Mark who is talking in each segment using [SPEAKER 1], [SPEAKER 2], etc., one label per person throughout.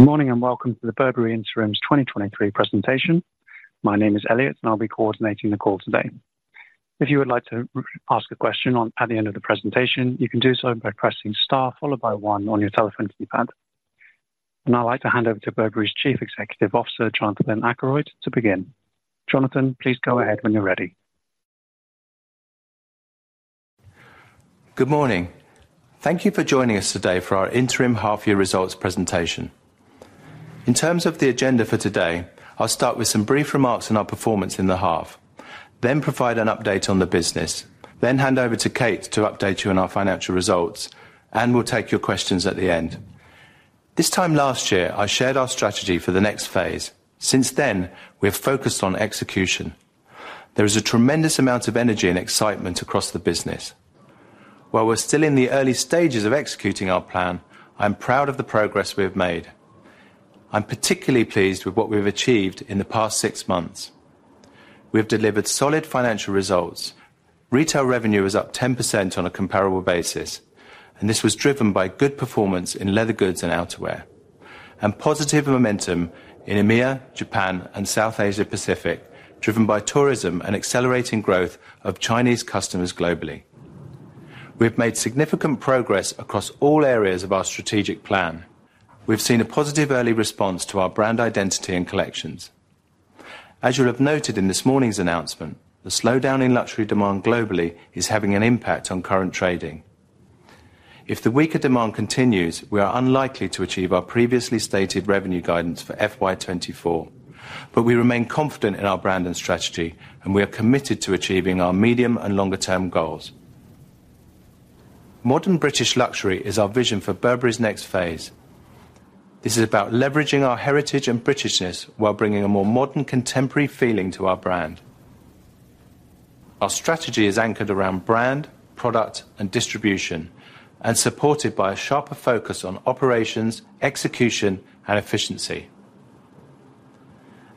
[SPEAKER 1] Good morning, and welcome to the Burberry Interims 2023 presentation. My name is Elliot, and I'll be coordinating the call today. If you would like to ask a question at the end of the presentation, you can do so by pressing star followed by one on your telephone keypad. I'd like to hand over to Burberry's Chief Executive Officer, Jonathan Akeroyd, to begin. Jonathan, please go ahead when you're ready.
[SPEAKER 2] Good morning. Thank you for joining us today for our interim half-year results presentation. In terms of the agenda for today, I'll start with some brief remarks on our performance in the half, then provide an update on the business, then hand over to Kate to update you on our financial results, and we'll take your questions at the end. This time last year, I shared our strategy for the next phase. Since then, we have focused on execution. There is a tremendous amount of energy and excitement across the business. While we're still in the early stages of executing our plan, I'm proud of the progress we have made. I'm particularly pleased with what we've achieved in the past six months. We have delivered solid financial results. Retail revenue is up 10% on a comparable basis, and this was driven by good performance in leather goods and outerwear, and positive momentum in EMEA, Japan, and South Asia Pacific, driven by tourism and accelerating growth of Chinese customers globally. We have made significant progress across all areas of our strategic plan. We've seen a positive early response to our brand identity and collections. As you'll have noted in this morning's announcement, the slowdown in luxury demand globally is having an impact on current trading. If the weaker demand continues, we are unlikely to achieve our previously stated revenue guidance for FY 2024, but we remain confident in our brand and strategy, and we are committed to achieving our medium and longer-term goals. Modern British luxury is our vision for Burberry's next phase. This is about leveraging our heritage and Britishness while bringing a more modern, contemporary feeling to our brand. Our strategy is anchored around brand, product, and distribution, and supported by a sharper focus on operations, execution, and efficiency.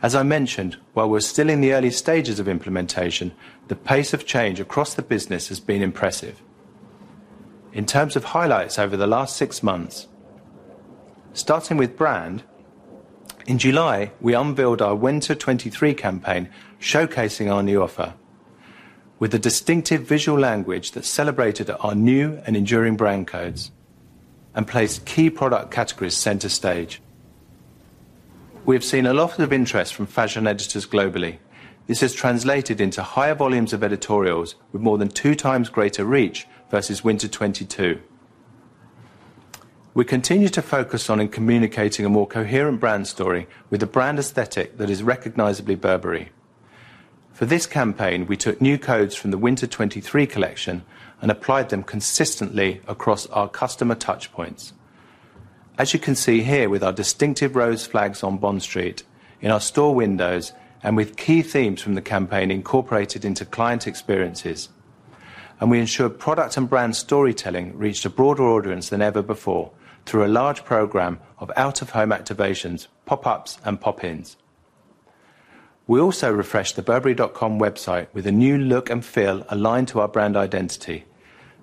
[SPEAKER 2] As I mentioned, while we're still in the early stages of implementation, the pace of change across the business has been impressive. In terms of highlights over the last six months, starting with brand, in July, we unveiled our Winter 2023 campaign, showcasing our new offer with a distinctive visual language that celebrated our new and enduring brand codes and placed key product categories center stage. We have seen a lot of interest from fashion editors globally. This has translated into higher volumes of editorials with more than two times greater reach versus Winter 2022. We continue to focus on communicating a more coherent brand story with a brand aesthetic that is recognizably Burberry. For this campaign, we took new codes from the Winter 2023 collection and applied them consistently across our customer touchpoints. As you can see here with our distinctive rose flags on Bond Street, in our store windows, and with key themes from the campaign incorporated into client experiences. We ensured product and brand storytelling reached a broader audience than ever before, through a large program of out-of-home activations, pop-ups, and pop-ins. We also refreshed the Burberry.com website with a new look and feel aligned to our brand identity.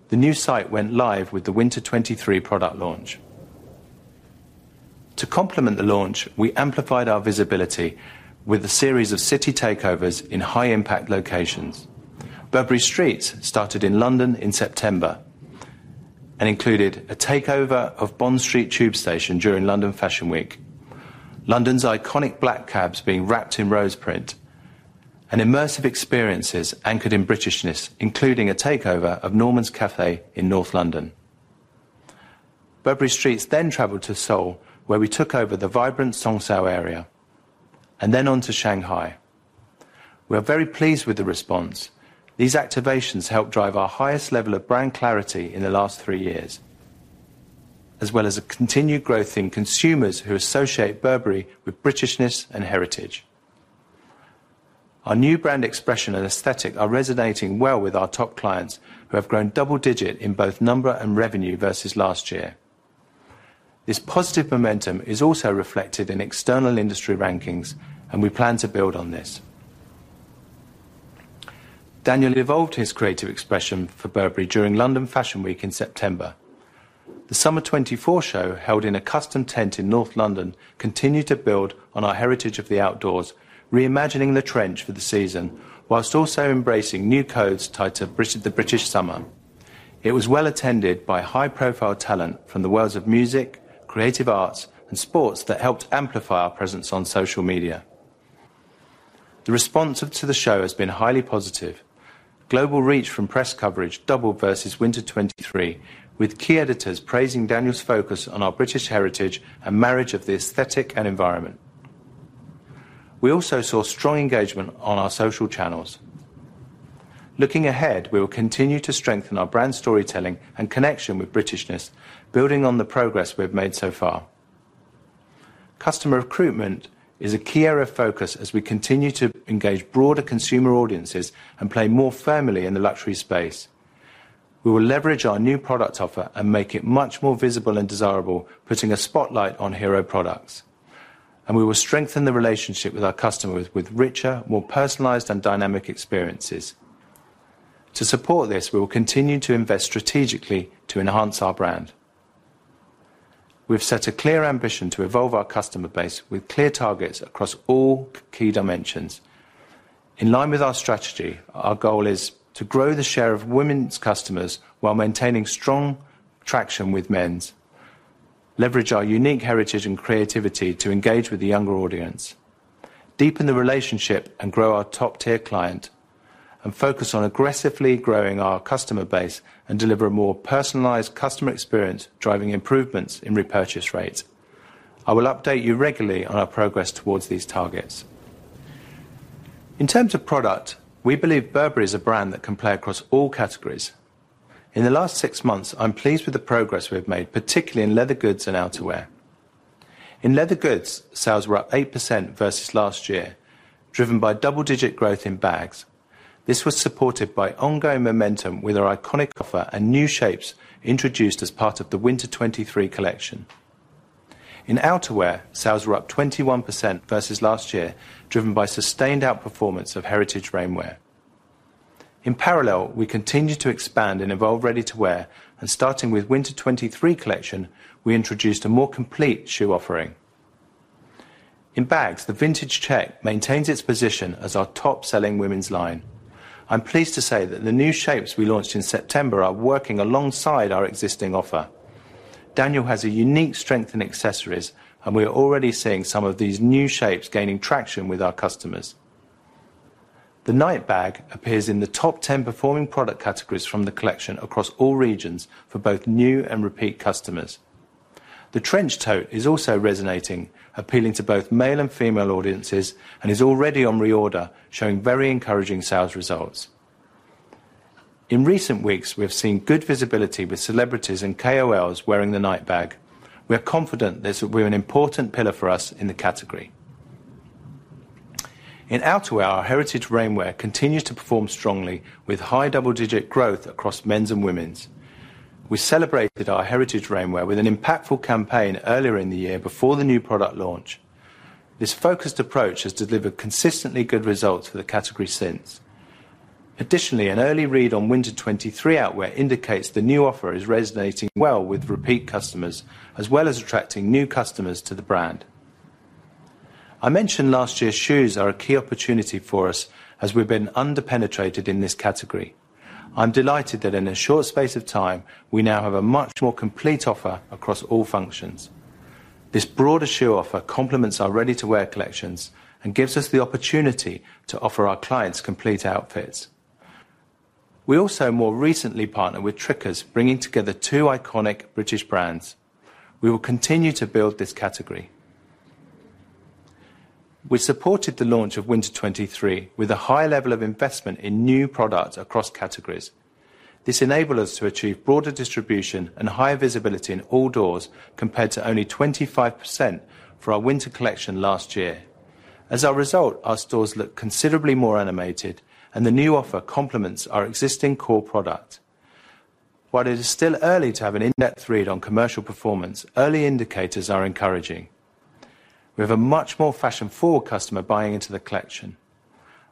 [SPEAKER 2] The new site went live with the Winter 2023 product launch. To complement the launch, we amplified our visibility with a series of city takeovers in high-impact locations. Burberry Streets started in London in September and included a takeover of Bond Street Tube Station during London Fashion Week, London's iconic black cabs being wrapped in rose print, and immersive experiences anchored in Britishness, including a takeover of Norman's Café in North London. Burberry Streets then traveled to Seoul, where we took over the vibrant Seongsu area, and then on to Shanghai. We are very pleased with the response. These activations helped drive our highest level of brand clarity in the last three years, as well as a continued growth in consumers who associate Burberry with Britishness and heritage. Our new brand expression and aesthetic are resonating well with our top clients, who have grown double-digit in both number and revenue versus last year. This positive momentum is also reflected in external industry rankings, and we plan to build on this. Daniel evolved his creative expression for Burberry during London Fashion Week in September. The Summer 2024 show, held in a custom tent in North London, continued to build on our heritage of the outdoors, reimagining the trench for the season, while also embracing new codes tied to the British summer. It was well attended by high-profile talent from the worlds of music, creative arts, and sports that helped amplify our presence on social media. The response to the show has been highly positive. Global reach from press coverage doubled versus Winter 2023, with key editors praising Daniel's focus on our British heritage and marriage of the aesthetic and environment. We also saw strong engagement on our social channels. Looking ahead, we will continue to strengthen our brand storytelling and connection with Britishness, building on the progress we've made so far. Customer recruitment is a key area of focus as we continue to engage broader consumer audiences and play more firmly in the luxury space. We will leverage our new product offer and make it much more visible and desirable, putting a spotlight on hero products, and we will strengthen the relationship with our customers with richer, more personalized and dynamic experiences. To support this, we will continue to invest strategically to enhance our brand. We've set a clear ambition to evolve our customer base with clear targets across all key dimensions. In line with our strategy, our goal is to grow the share of women's customers while maintaining strong traction with men's, leverage our unique heritage and creativity to engage with the younger audience, deepen the relationship and grow our top-tier client, and focus on aggressively growing our customer base and deliver a more personalized customer experience, driving improvements in repurchase rates. I will update you regularly on our progress towards these targets. In terms of product, we believe Burberry is a brand that can play across all categories. In the last six months, I'm pleased with the progress we've made, particularly in leather goods and outerwear. In leather goods, sales were up 8% versus last year, driven by double-digit growth in bags. This was supported by ongoing momentum with our iconic offer and new shapes introduced as part of the Winter 2023 collection. In outerwear, sales were up 21% versus last year, driven by sustained outperformance of heritage rainwear. In parallel, we continued to expand and evolve ready-to-wear, and starting with Winter 2023 collection, we introduced a more complete shoe offering. In bags, the Vintage Check maintains its position as our top-selling women's line. I'm pleased to say that the new shapes we launched in September are working alongside our existing offer. Daniel has a unique strength in accessories, and we are already seeing some of these new shapes gaining traction with our customers. The Knight Bag appears in the top 10 performing product categories from the collection across all regions for both new and repeat customers. The Trench Tote is also resonating, appealing to both male and female audiences, and is already on reorder, showing very encouraging sales results. In recent weeks, we have seen good visibility with celebrities and KOLs wearing the Knight Bag. We are confident this will be an important pillar for us in the category. In outerwear, our heritage rainwear continues to perform strongly, with high double-digit growth across men's and women's. We celebrated our heritage rainwear with an impactful campaign earlier in the year before the new product launch. This focused approach has delivered consistently good results for the category since. Additionally, an early read on Winter 2023 outerwear indicates the new offer is resonating well with repeat customers, as well as attracting new customers to the brand. I mentioned last year's shoes are a key opportunity for us as we've been under-penetrated in this category. I'm delighted that in a short space of time, we now have a much more complete offer across all functions. This broader shoe offer complements our ready-to-wear collections and gives us the opportunity to offer our clients complete outfits. We also more recently partnered with Tricker's, bringing together two iconic British brands. We will continue to build this category. We supported the launch of Winter 2023 with a high level of investment in new products across categories. This enabled us to achieve broader distribution and higher visibility in all doors, compared to only 25% for our winter collection last year. As a result, our stores look considerably more animated, and the new offer complements our existing core product. While it is still early to have an in-depth read on commercial performance, early indicators are encouraging. We have a much more fashion-forward customer buying into the collection,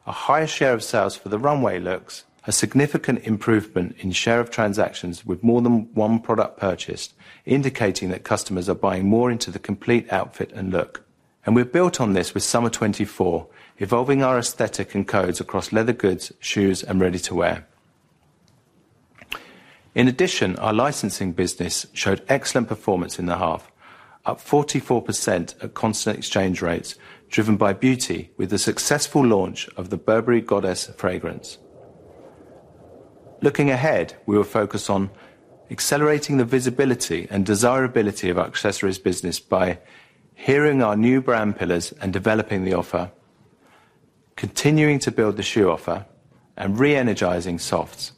[SPEAKER 2] a higher share of sales for the runway looks, a significant improvement in share of transactions with more than one product purchased, indicating that customers are buying more into the complete outfit and look. We've built on this with Summer 2024, evolving our aesthetic and codes across leather goods, shoes, and ready-to-wear. In addition, our licensing business showed excellent performance in the half, up 44% at constant exchange rates, driven by beauty, with the successful launch of the Burberry Goddess fragrance. Looking ahead, we will focus on accelerating the visibility and desirability of our accessories business by heroing our new brand pillars and developing the offer, continuing to build the shoe offer, and re-energizing softs,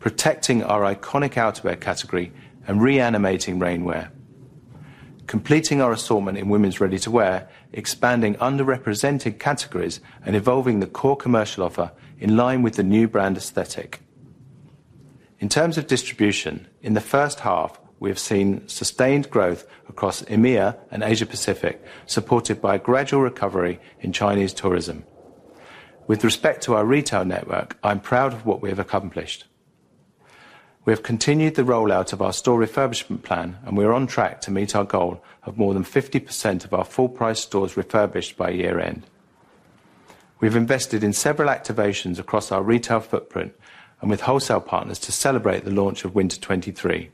[SPEAKER 2] protecting our iconic outerwear category and reanimating rainwear, completing our assortment in women's ready-to-wear, expanding underrepresented categories, and evolving the core commercial offer in line with the new brand aesthetic. In terms of distribution, in the first half, we have seen sustained growth across EMEA and Asia Pacific, supported by a gradual recovery in Chinese tourism. With respect to our retail network, I'm proud of what we have accomplished. We have continued the rollout of our store refurbishment plan, and we are on track to meet our goal of more than 50% of our full-price stores refurbished by year-end. We've invested in several activations across our retail footprint and with wholesale partners to celebrate the launch of Winter 2023.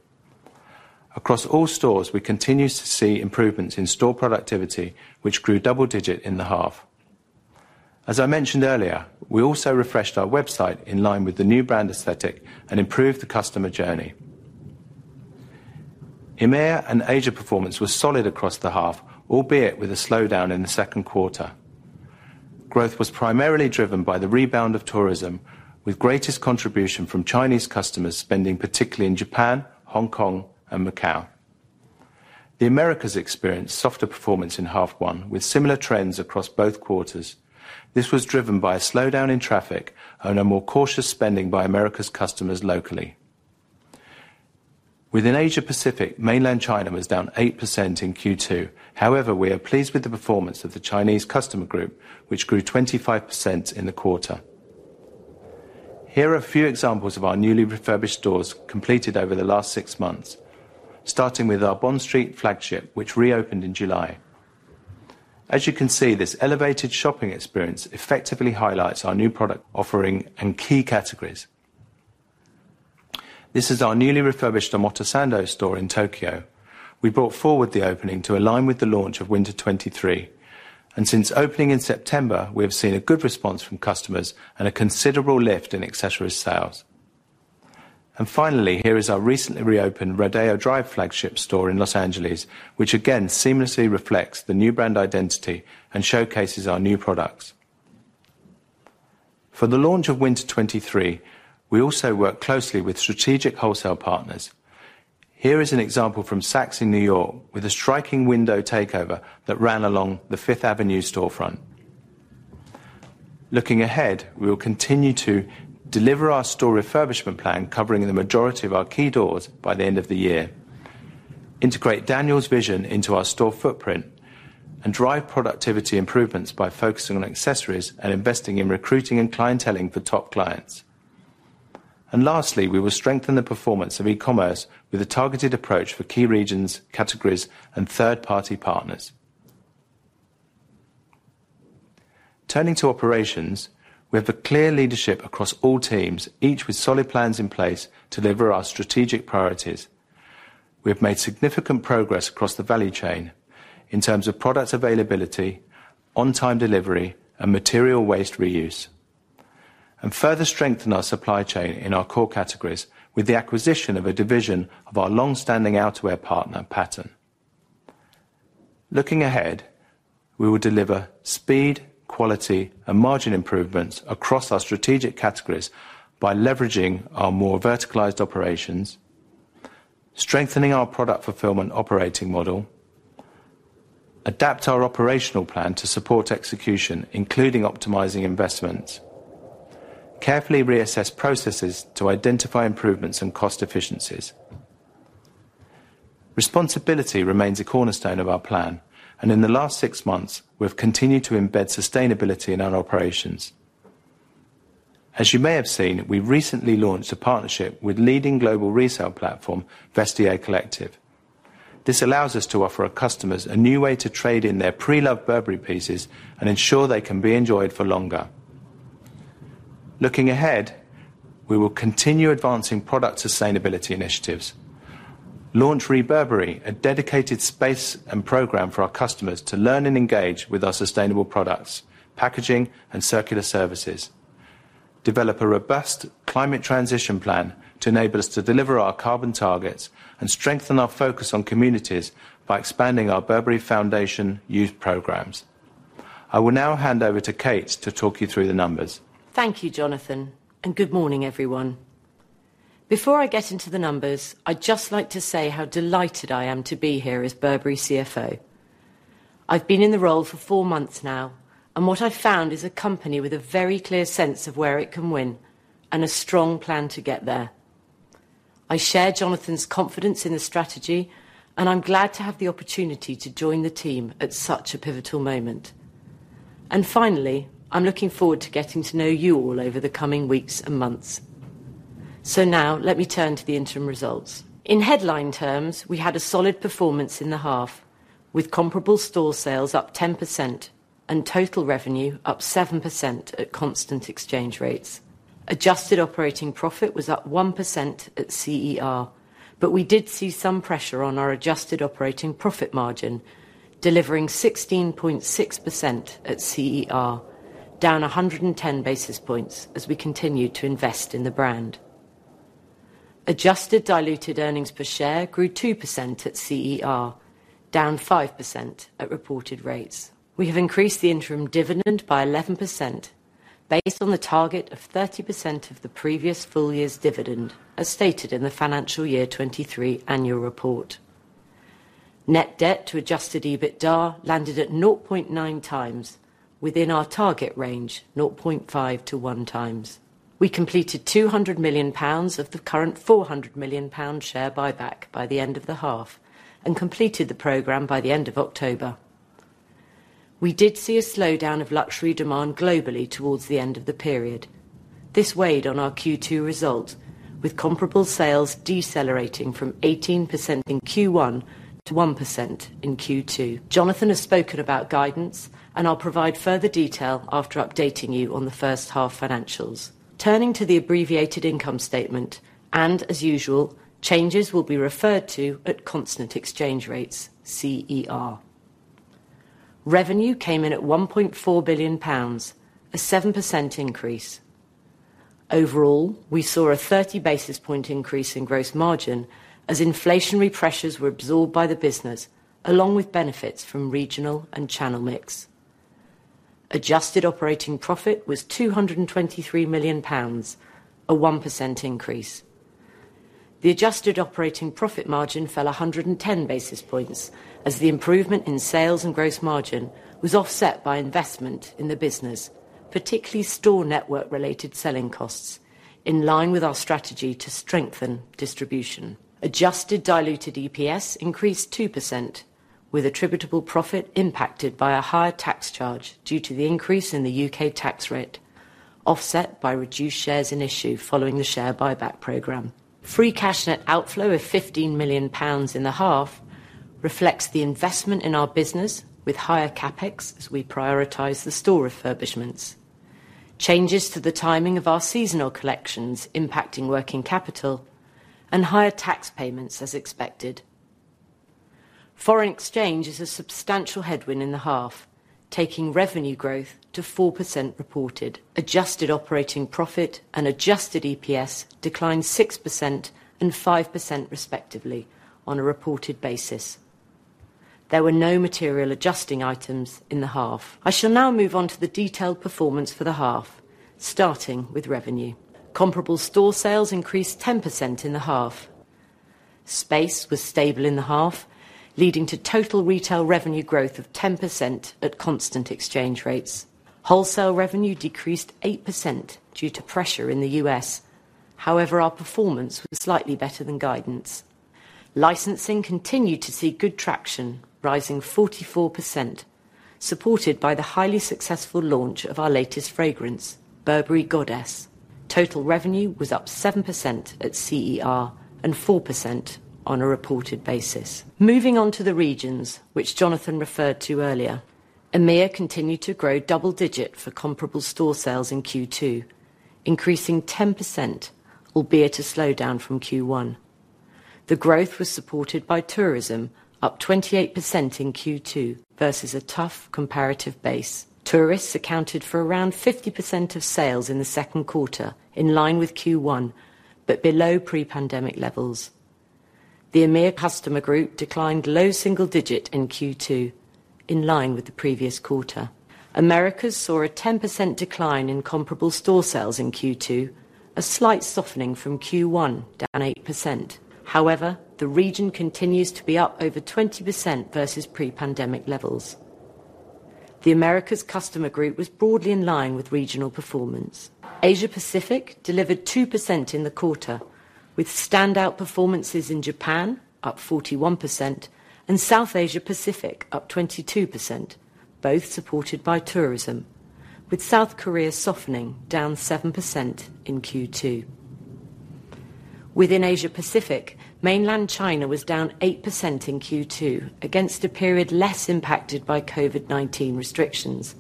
[SPEAKER 2] Across all stores, we continue to see improvements in store productivity, which grew double-digit in the half. As I mentioned earlier, we also refreshed our website in line with the new brand aesthetic and improved the customer journey. EMEA and Asia performance was solid across the half, albeit with a slowdown in the second quarter. Growth was primarily driven by the rebound of tourism, with greatest contribution from Chinese customers spending, particularly in Japan, Hong Kong, and Macau. The Americas experienced softer performance in half one, with similar trends across both quarters. This was driven by a slowdown in traffic and a more cautious spending by Americas customers locally. Within Asia Pacific, Mainland China was down 8% in Q2. However, we are pleased with the performance of the Chinese customer group, which grew 25% in the quarter. Here are a few examples of our newly refurbished stores completed over the last six months, starting with our Bond Street flagship, which reopened in July. As you can see, this elevated shopping experience effectively highlights our new product offering and key categories. This is our newly refurbished Omotesando store in Tokyo. We brought forward the opening to align with the launch of Winter 2023, and since opening in September, we have seen a good response from customers and a considerable lift in accessories sales. And finally, here is our recently reopened Rodeo Drive flagship store in Los Angeles, which again, seamlessly reflects the new brand identity and showcases our new products. For the launch of Winter 2023, we also worked closely with strategic wholesale partners. Here is an example from Saks in New York, with a striking window takeover that ran along the Fifth Avenue storefront. Looking ahead, we will continue to deliver our store refurbishment plan, covering the majority of our key doors by the end of the year, integrate Daniel's vision into our store footprint, and drive productivity improvements by focusing on accessories and investing in recruiting and clienteling for top clients. Lastly, we will strengthen the performance of e-commerce with a targeted approach for key regions, categories, and third-party partners. Turning to operations, we have a clear leadership across all teams, each with solid plans in place to deliver our strategic priorities. We have made significant progress across the value chain in terms of product availability, on-time delivery, and material waste reuse, and further strengthened our supply chain in our core categories with the acquisition of a division of our long-standing outerwear partner, Pattern. Looking ahead, we will deliver speed, quality, and margin improvements across our strategic categories by leveraging our more verticalized operations, strengthening our product fulfillment operating model, adapt our operational plan to support execution, including optimizing investments, carefully reassess processes to identify improvements and cost efficiencies. Responsibility remains a cornerstone of our plan, and in the last six months, we've continued to embed sustainability in our operations. As you may have seen, we recently launched a partnership with leading global resale platform, Vestiaire Collective. This allows us to offer our customers a new way to trade in their pre-loved Burberry pieces and ensure they can be enjoyed for longer. Looking ahead, we will continue advancing product sustainability initiatives, launch ReBurberry, a dedicated space and program for our customers to learn and engage with our sustainable products, packaging, and circular services, develop a robust climate transition plan to enable us to deliver our carbon targets, and strengthen our focus on communities by expanding our Burberry Foundation youth programs. I will now hand over to Kate to talk you through the numbers.
[SPEAKER 3] Thank you, Jonathan, and good morning, everyone. Before I get into the numbers, I'd just like to say how delighted I am to be here as Burberry CFO. I've been in the role for four months now, and what I've found is a company with a very clear sense of where it can win and a strong plan to get there. I share Jonathan's confidence in the strategy, and I'm glad to have the opportunity to join the team at such a pivotal moment. Finally, I'm looking forward to getting to know you all over the coming weeks and months. Now let me turn to the interim results. In headline terms, we had a solid performance in the half, with comparable store sales up 10% and total revenue up 7% at constant exchange rates. Adjusted operating profit was up 1% at CER, but we did see some pressure on our adjusted operating profit margin, delivering 16.6% at CER, down 110 basis points as we continue to invest in the brand. Adjusted diluted earnings per share grew 2% at CER, down 5% at reported rates. We have increased the interim dividend by 11%, based on the target of 30% of the previous full year's dividend, as stated in the financial year 2023 annual report. Net debt to adjusted EBITDA landed at 0.9x within our target range, 0.5x-1x. We completed 200 million pounds of the current 400 million pound share buyback by the end of the half and completed the program by the end of October. We did see a slowdown of luxury demand globally towards the end of the period. This weighed on our Q2 results, with comparable sales decelerating from 18% in Q1 to 1% in Q2. Jonathan has spoken about guidance, and I'll provide further detail after updating you on the first half financials. Turning to the abbreviated income statement, and as usual, changes will be referred to at constant exchange rates, CER. Revenue came in at 1.4 billion pounds, a 7% increase. Overall, we saw a 30-basis point increase in gross margin as inflationary pressures were absorbed by the business, along with benefits from regional and channel mix. Adjusted operating profit was 223 million pounds, a 1% increase. The adjusted operating profit margin fell 110 basis points as the improvement in sales and gross margin was offset by investment in the business, particularly store network-related selling costs, in line with our strategy to strengthen distribution. Adjusted diluted EPS increased 2%, with attributable profit impacted by a higher tax charge due to the increase in the U.K. tax rate, offset by reduced shares in issue following the share buyback program. Free cash net outflow of 15 million pounds in the half reflects the investment in our business with higher CapEx, as we prioritize the store refurbishments, changes to the timing of our seasonal collections impacting working capital, and higher tax payments as expected. Foreign exchange is a substantial headwind in the half, taking revenue growth to 4% reported. Adjusted Operating Profit and Adjusted EPS declined 6% and 5%, respectively, on a reported basis. There were no material adjusting items in the half. I shall now move on to the detailed performance for the half, starting with revenue. Comparable store sales increased 10% in the half. Space was stable in the half, leading to total retail revenue growth of 10% at constant exchange rates. Wholesale revenue decreased 8% due to pressure in the U.S. However, our performance was slightly better than guidance. Licensing continued to see good traction, rising 44%, supported by the highly successful launch of our latest fragrance, Burberry Goddess. Total revenue was up 7% at CER and 4% on a reported basis. Moving on to the regions, which Jonathan referred to earlier, EMEA continued to grow double-digit for comparable store sales in Q2, increasing 10%, albeit a slowdown from Q1. The growth was supported by tourism, up 28% in Q2, versus a tough comparative base. Tourists accounted for around 50% of sales in the second quarter, in line with Q1, but below pre-pandemic levels. The EMEA customer group declined low single-digit in Q2, in line with the previous quarter. Americas saw a 10% decline in comparable store sales in Q2, a slight softening from Q1, down 8%. However, the region continues to be up over 20% versus pre-pandemic levels. The Americas customer group was broadly in line with regional performance. Asia Pacific delivered 2% in the quarter, with standout performances in Japan, up 41%, and South Asia Pacific, up 22%, both supported by tourism, with South Korea softening, down 7% in Q2. Within Asia Pacific, Mainland China was down 8% in Q2, against a period less impacted by COVID-19 restrictions.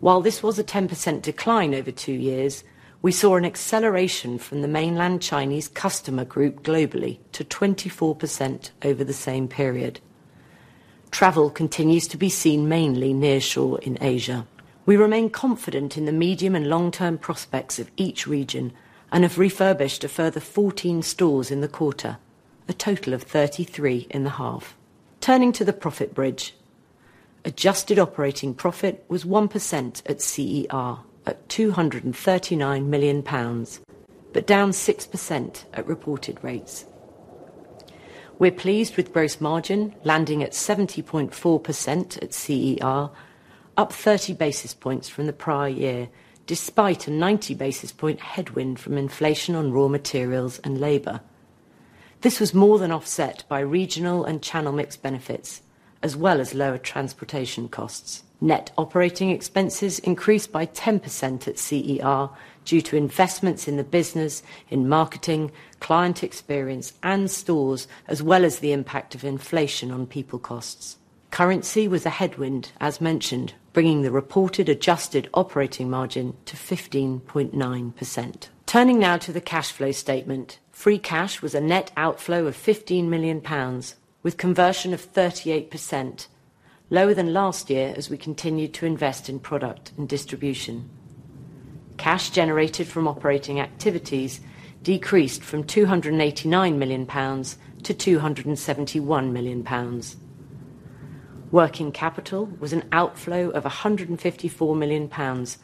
[SPEAKER 3] While this was a 10% decline over two years, we saw an acceleration from the Mainland Chinese customer group globally to 24% over the same period. Travel continues to be seen mainly near shore in Asia. We remain confident in the medium and long-term prospects of each region and have refurbished a further 14 stores in the quarter, a total of 33 in the half. Turning to the profit bridge. Adjusted operating profit was 1% at CER, at 239 million pounds, but down 6% at reported rates. We're pleased with gross margin, landing at 70.4% at CER, up 30 basis points from the prior year, despite a 90 basis point headwind from inflation on raw materials and labor. This was more than offset by regional and channel mix benefits, as well as lower transportation costs. Net operating expenses increased by 10% at CER due to investments in the business, in marketing, client experience, and stores, as well as the impact of inflation on people costs. Currency was a headwind, as mentioned, bringing the reported adjusted operating margin to 15.9%. Turning now to the cash flow statement. Free cash was a net outflow of 15 million pounds, with conversion of 38%, lower than last year as we continued to invest in product and distribution. Cash generated from operating activities decreased from 289 million pounds to 271 million pounds. Working capital was an outflow of 154 million pounds,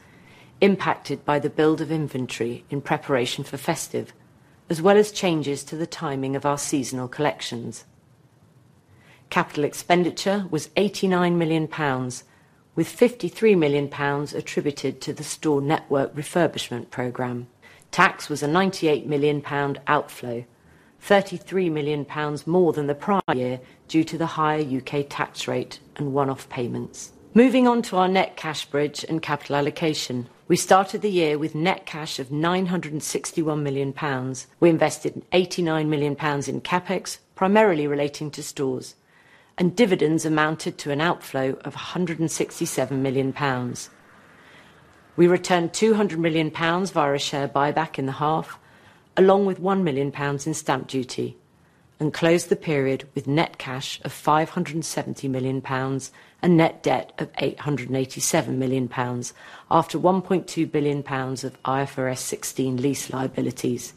[SPEAKER 3] impacted by the build of inventory in preparation for festive, as well as changes to the timing of our seasonal collections. Capital expenditure was 89 million pounds, with 53 million pounds attributed to the store network refurbishment program. Tax was a 98 million pound outflow, 33 million pounds more than the prior year due to the higher U.K. tax rate and one-off payments. Moving on to our net cash bridge and capital allocation. We started the year with net cash of 961 million pounds. We invested 89 million pounds in CapEx, primarily relating to stores, and dividends amounted to an outflow of 167 million pounds. We returned 200 million pounds via a share buyback in the half, along with 1 million pounds in stamp duty, and closed the period with net cash of 570 million pounds and net debt of 887 million pounds, after 1.2 billion pounds of IFRS 16 lease liabilities.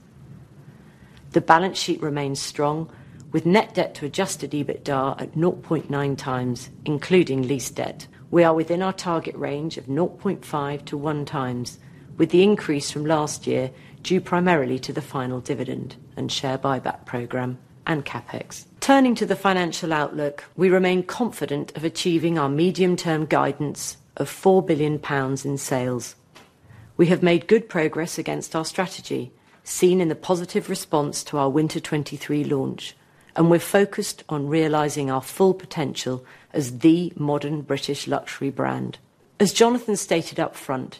[SPEAKER 3] The balance sheet remains strong, with net debt to adjusted EBITDA at 0.9x, including lease debt. We are within our target range of 0.5x-1x, with the increase from last year due primarily to the final dividend and share buyback program and CapEx. Turning to the financial outlook, we remain confident of achieving our medium-term guidance of GBP 4 billion in sales-... We have made good progress against our strategy, seen in the positive response to our Winter 2023 launch, and we're focused on realizing our full potential as the modern British luxury brand. As Jonathan stated upfront,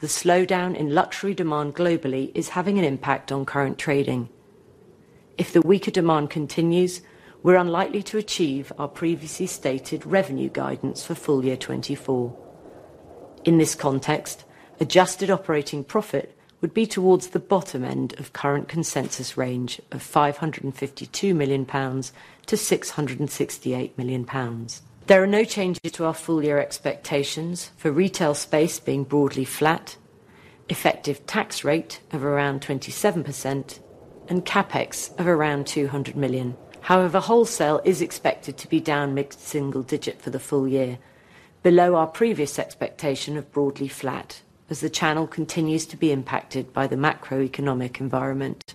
[SPEAKER 3] the slowdown in luxury demand globally is having an impact on current trading. If the weaker demand continues, we're unlikely to achieve our previously stated revenue guidance for full year 2024. In this context, adjusted operating profit would be towards the bottom end of current consensus range of 552 million-668 million pounds. There are no changes to our full year expectations for retail space being broadly flat, effective tax rate of around 27%, and CapEx of around 200 million. However, wholesale is expected to be down mid-single-digit for the full year, below our previous expectation of broadly flat, as the channel continues to be impacted by the macroeconomic environment.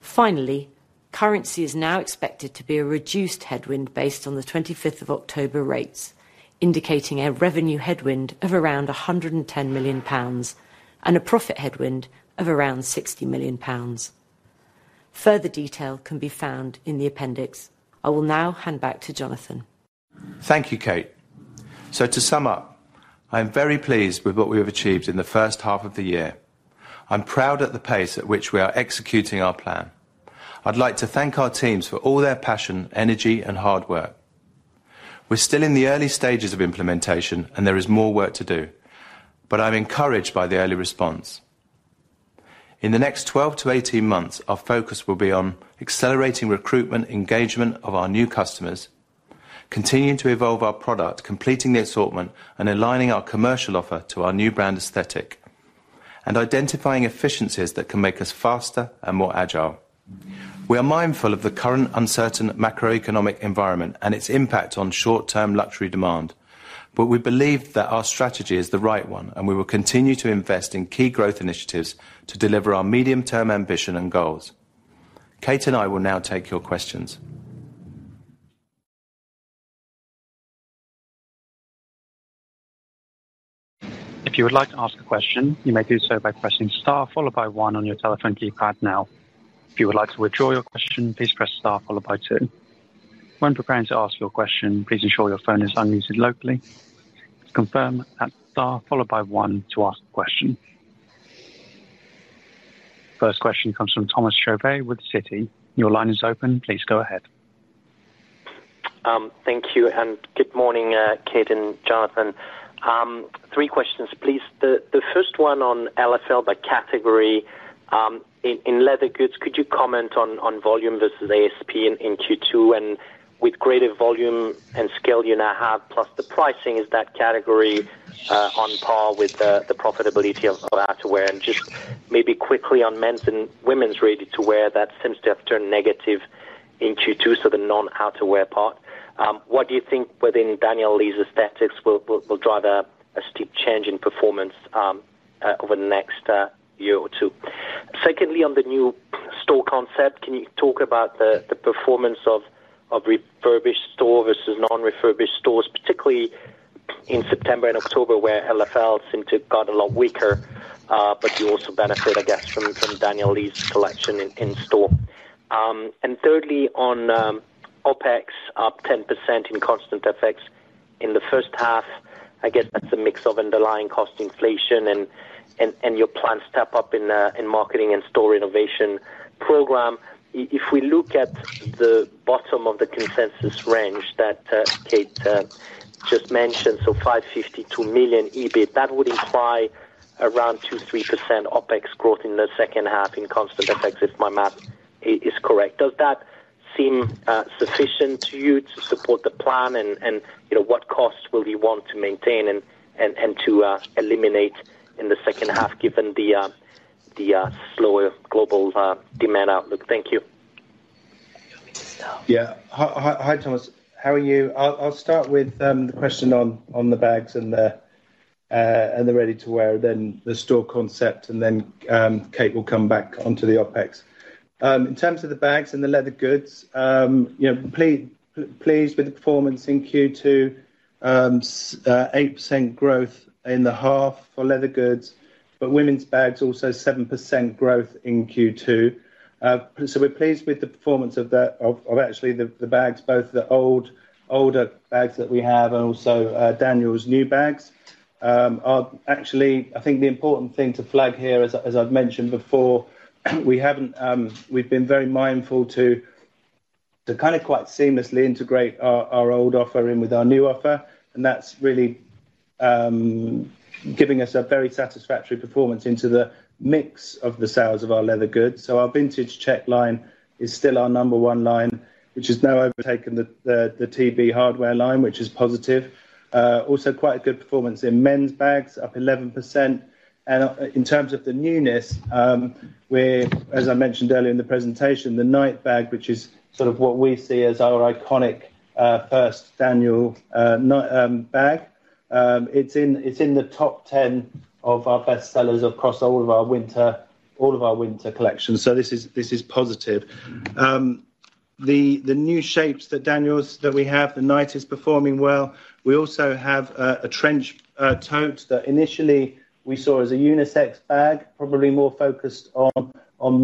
[SPEAKER 3] Finally, currency is now expected to be a reduced headwind based on the 25th of October rates, indicating a revenue headwind of around 110 million pounds and a profit headwind of around 60 million pounds. Further detail can be found in the appendix. I will now hand back to Jonathan.
[SPEAKER 2] Thank you, Kate. So to sum up, I am very pleased with what we have achieved in the first half of the year. I'm proud at the pace at which we are executing our plan. I'd like to thank our teams for all their passion, energy, and hard work. We're still in the early stages of implementation, and there is more work to do, but I'm encouraged by the early response. In the next 12-18 months, our focus will be on accelerating recruitment, engagement of our new customers, continuing to evolve our product, completing the assortment, and aligning our commercial offer to our new brand aesthetic, and identifying efficiencies that can make us faster and more agile. We are mindful of the current uncertain macroeconomic environment and its impact on short-term luxury demand, but we believe that our strategy is the right one, and we will continue to invest in key growth initiatives to deliver our medium-term ambition and goals. Kate and I will now take your questions.
[SPEAKER 1] If you would like to ask a question, you may do so by pressing star followed by one on your telephone keypad now. If you would like to withdraw your question, please press star followed by two. When preparing to ask your question, please ensure your phone is unmuted locally. To confirm, press star followed by one to ask the question. First question comes from Thomas Chauvet with Citi. Your line is open. Please go ahead.
[SPEAKER 4] Thank you, and good morning, Kate and Jonathan. Three questions, please. The first one on LFL by category. In leather goods, could you comment on volume versus ASP in Q2, and with greater volume and scale you now have, plus the pricing, is that category on par with the profitability of outerwear? And just maybe quickly on men's and women's ready-to-wear, that seems to have turned negative in Q2, so the non-outerwear part. What do you think within Daniel Lee's aesthetics will drive a steep change in performance over the next year or two? Secondly, on the new store concept, can you talk about the performance of refurbished store versus non-refurbished stores, particularly in September and October, where LFL seemed to have gotten a lot weaker, but you also benefit, I guess, from Daniel Lee's collection in store. And thirdly, on OpEx, up 10% in constant FX in the first half, I guess that's a mix of underlying cost inflation and your plan to step up in marketing and store renovation program. If we look at the bottom of the consensus range that Kate just mentioned, so 552 million EBIT, that would imply around 2%-3% OpEx growth in the second half in constant FX, if my math is correct. Does that seem sufficient to you to support the plan? You know, what costs will you want to maintain and to eliminate in the second half given the slower global demand outlook? Thank you.
[SPEAKER 2] Yeah. Yeah. Hi, Thomas. How are you? I'll start with the question on the bags and the ready-to-wear, then the store concept, and then Kate will come back onto the OpEx. In terms of the bags and the leather goods, you know, pleased with the performance in Q2. Eight percent growth in the half for leather goods, but women's bags also seven percent growth in Q2. So we're pleased with the performance of actually the bags, both the old, older bags that we have and also Daniel's new bags. Actually, I think the important thing to flag here, as I've mentioned before, we haven't, we've been very mindful to kind of quite seamlessly integrate our old offering with our new offer, and that's really giving us a very satisfactory performance into the mix of the sales of our leather goods. So our Vintage Check line is still our number one line, which has now overtaken the TB hardware line, which is positive. Also quite a good performance in men's bags, up 11%. In terms of the newness, we're, as I mentioned earlier in the presentation, the Knight Bag, which is sort of what we see as our iconic, first Daniel, bag, it's in the top 10 of our best sellers across all of our winter collections. So this is positive. The new shapes that Daniel's that we have, the Knight is performing well. We also have a Trench Tote that initially we saw as a unisex bag, probably more focused on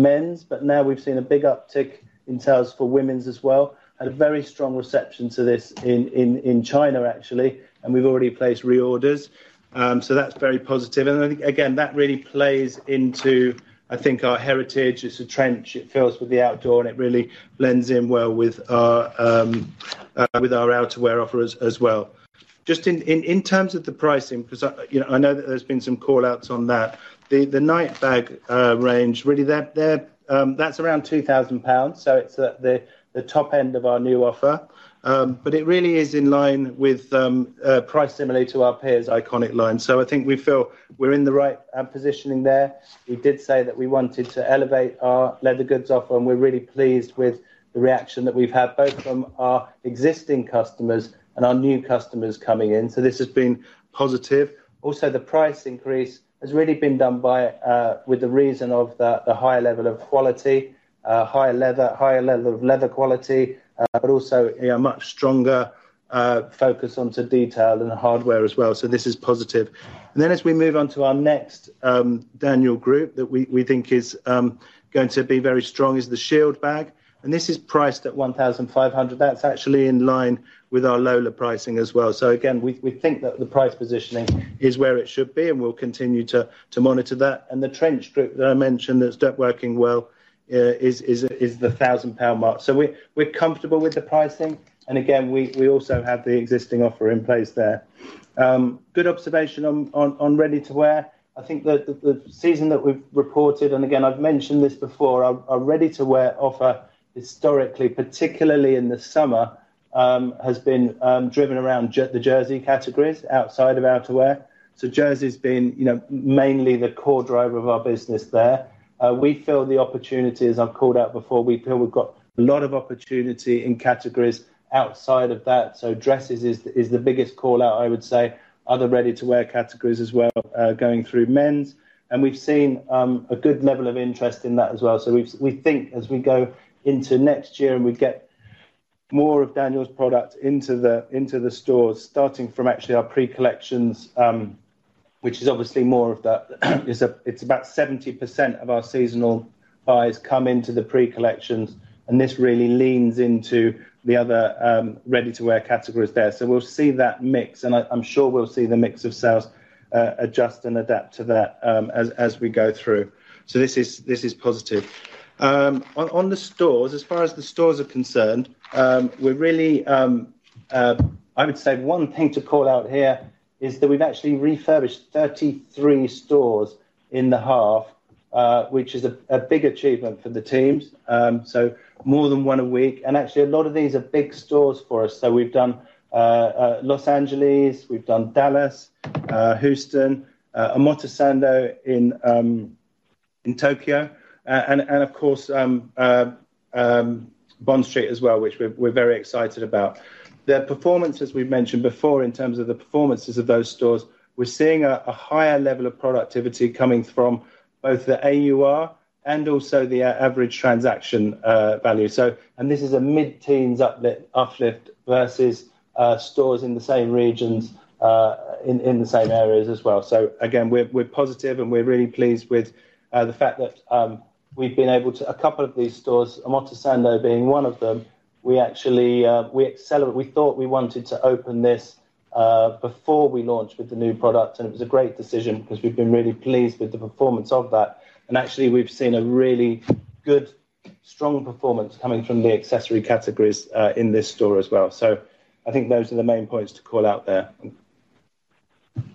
[SPEAKER 2] men's, but now we've seen a big uptick in sales for women's as well, had a very strong reception to this in China, actually, and we've already placed reorders. So that's very positive. And I think, again, that really plays into, I think, our heritage. It's a trench, it feels with the outdoor, and it really blends in well with our outerwear offers as well. Just in terms of the pricing, 'cause I, you know, I know that there's been some call-outs on that. The Knight Bag range, really, that's around 2,000 pounds, so it's at the top end of our new offer. But it really is in line with price similar to our peers' iconic line. So I think we feel we're in the right positioning there. We did say that we wanted to elevate our leather goods offer, and we're really pleased with the reaction that we've had, both from our existing customers and our new customers coming in. So this has been positive. Also, the price increase has really been done by, with the reason of the, the high level of quality, higher leather, higher level of leather quality, but also a much stronger, focus on to detail and the hardware as well. So this is positive. Then as we move on to our next, Daniel group, that we, we think is, going to be very strong is the Shield bag, and this is priced at 1,500. That's actually in line with our Lola pricing as well. So again, we, we think that the price positioning is where it should be, and we'll continue to, to monitor that. The trench group that I mentioned, that's done working well, is the 1,000-pound mark. So we're comfortable with the pricing, and again, we also have the existing offer in place there. Good observation on ready-to-wear. I think the season that we've reported, and again, I've mentioned this before, our ready-to-wear offer historically, particularly in the summer, has been driven around the jersey categories outside of outerwear. So jersey's been, you know, mainly the core driver of our business there. We feel the opportunities I've called out before. We feel we've got a lot of opportunity in categories outside of that. So dresses is the biggest call-out, I would say, other ready-to-wear categories as well, going through men's. And we've seen a good level of interest in that as well. We think as we go into next year, and we get more of Daniel's product into the stores, starting from actually our pre-collections, which is obviously more of that, it's about 70% of our seasonal buys come into the pre-collections, and this really leans into the other ready-to-wear categories there. We'll see that mix, and I'm sure we'll see the mix of sales adjust and adapt to that, as we go through. This is positive. On the stores, as far as the stores are concerned, we're really I would say one thing to call out here is that we've actually refurbished 33 stores in the half, which is a big achievement for the teams. So more than one a week, and actually, a lot of these are big stores for us. So we've done Los Angeles, we've done Dallas, Houston, Omotesando in Tokyo, and of course, Bond Street as well, which we're very excited about. Their performance, as we've mentioned before, in terms of the performances of those stores, we're seeing a higher level of productivity coming from both the AUR and also the average transaction value. So, and this is a mid-teens uplift versus stores in the same regions in the same areas as well. So again, we're positive, and we're really pleased with the fact that we've been able to... A couple of these stores, Omotesando being one of them, we actually we thought we wanted to open this before we launched with the new product, and it was a great decision because we've been really pleased with the performance of that. And actually, we've seen a really good, strong performance coming from the accessory categories in this store as well. So I think those are the main points to call out there.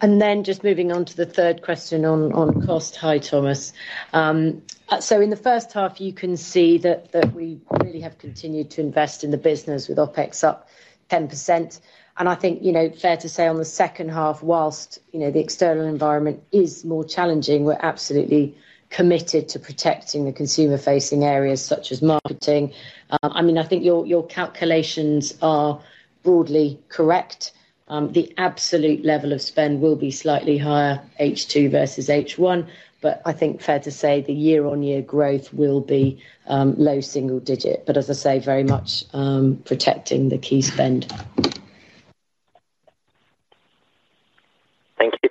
[SPEAKER 3] Then just moving on to the third question on cost. Hi, Thomas. So in the first half, you can see that we really have continued to invest in the business with OpEx up 10%. And I think, you know, fair to say on the second half, whilst, you know, the external environment is more challenging, we're absolutely committed to protecting the consumer-facing areas such as marketing. I mean, I think your calculations are broadly correct. The absolute level of spend will be slightly higher H2 versus H1, but I think fair to say the year-on-year growth will be low single digit, but as I say, very much protecting the key spend.
[SPEAKER 4] Thank you.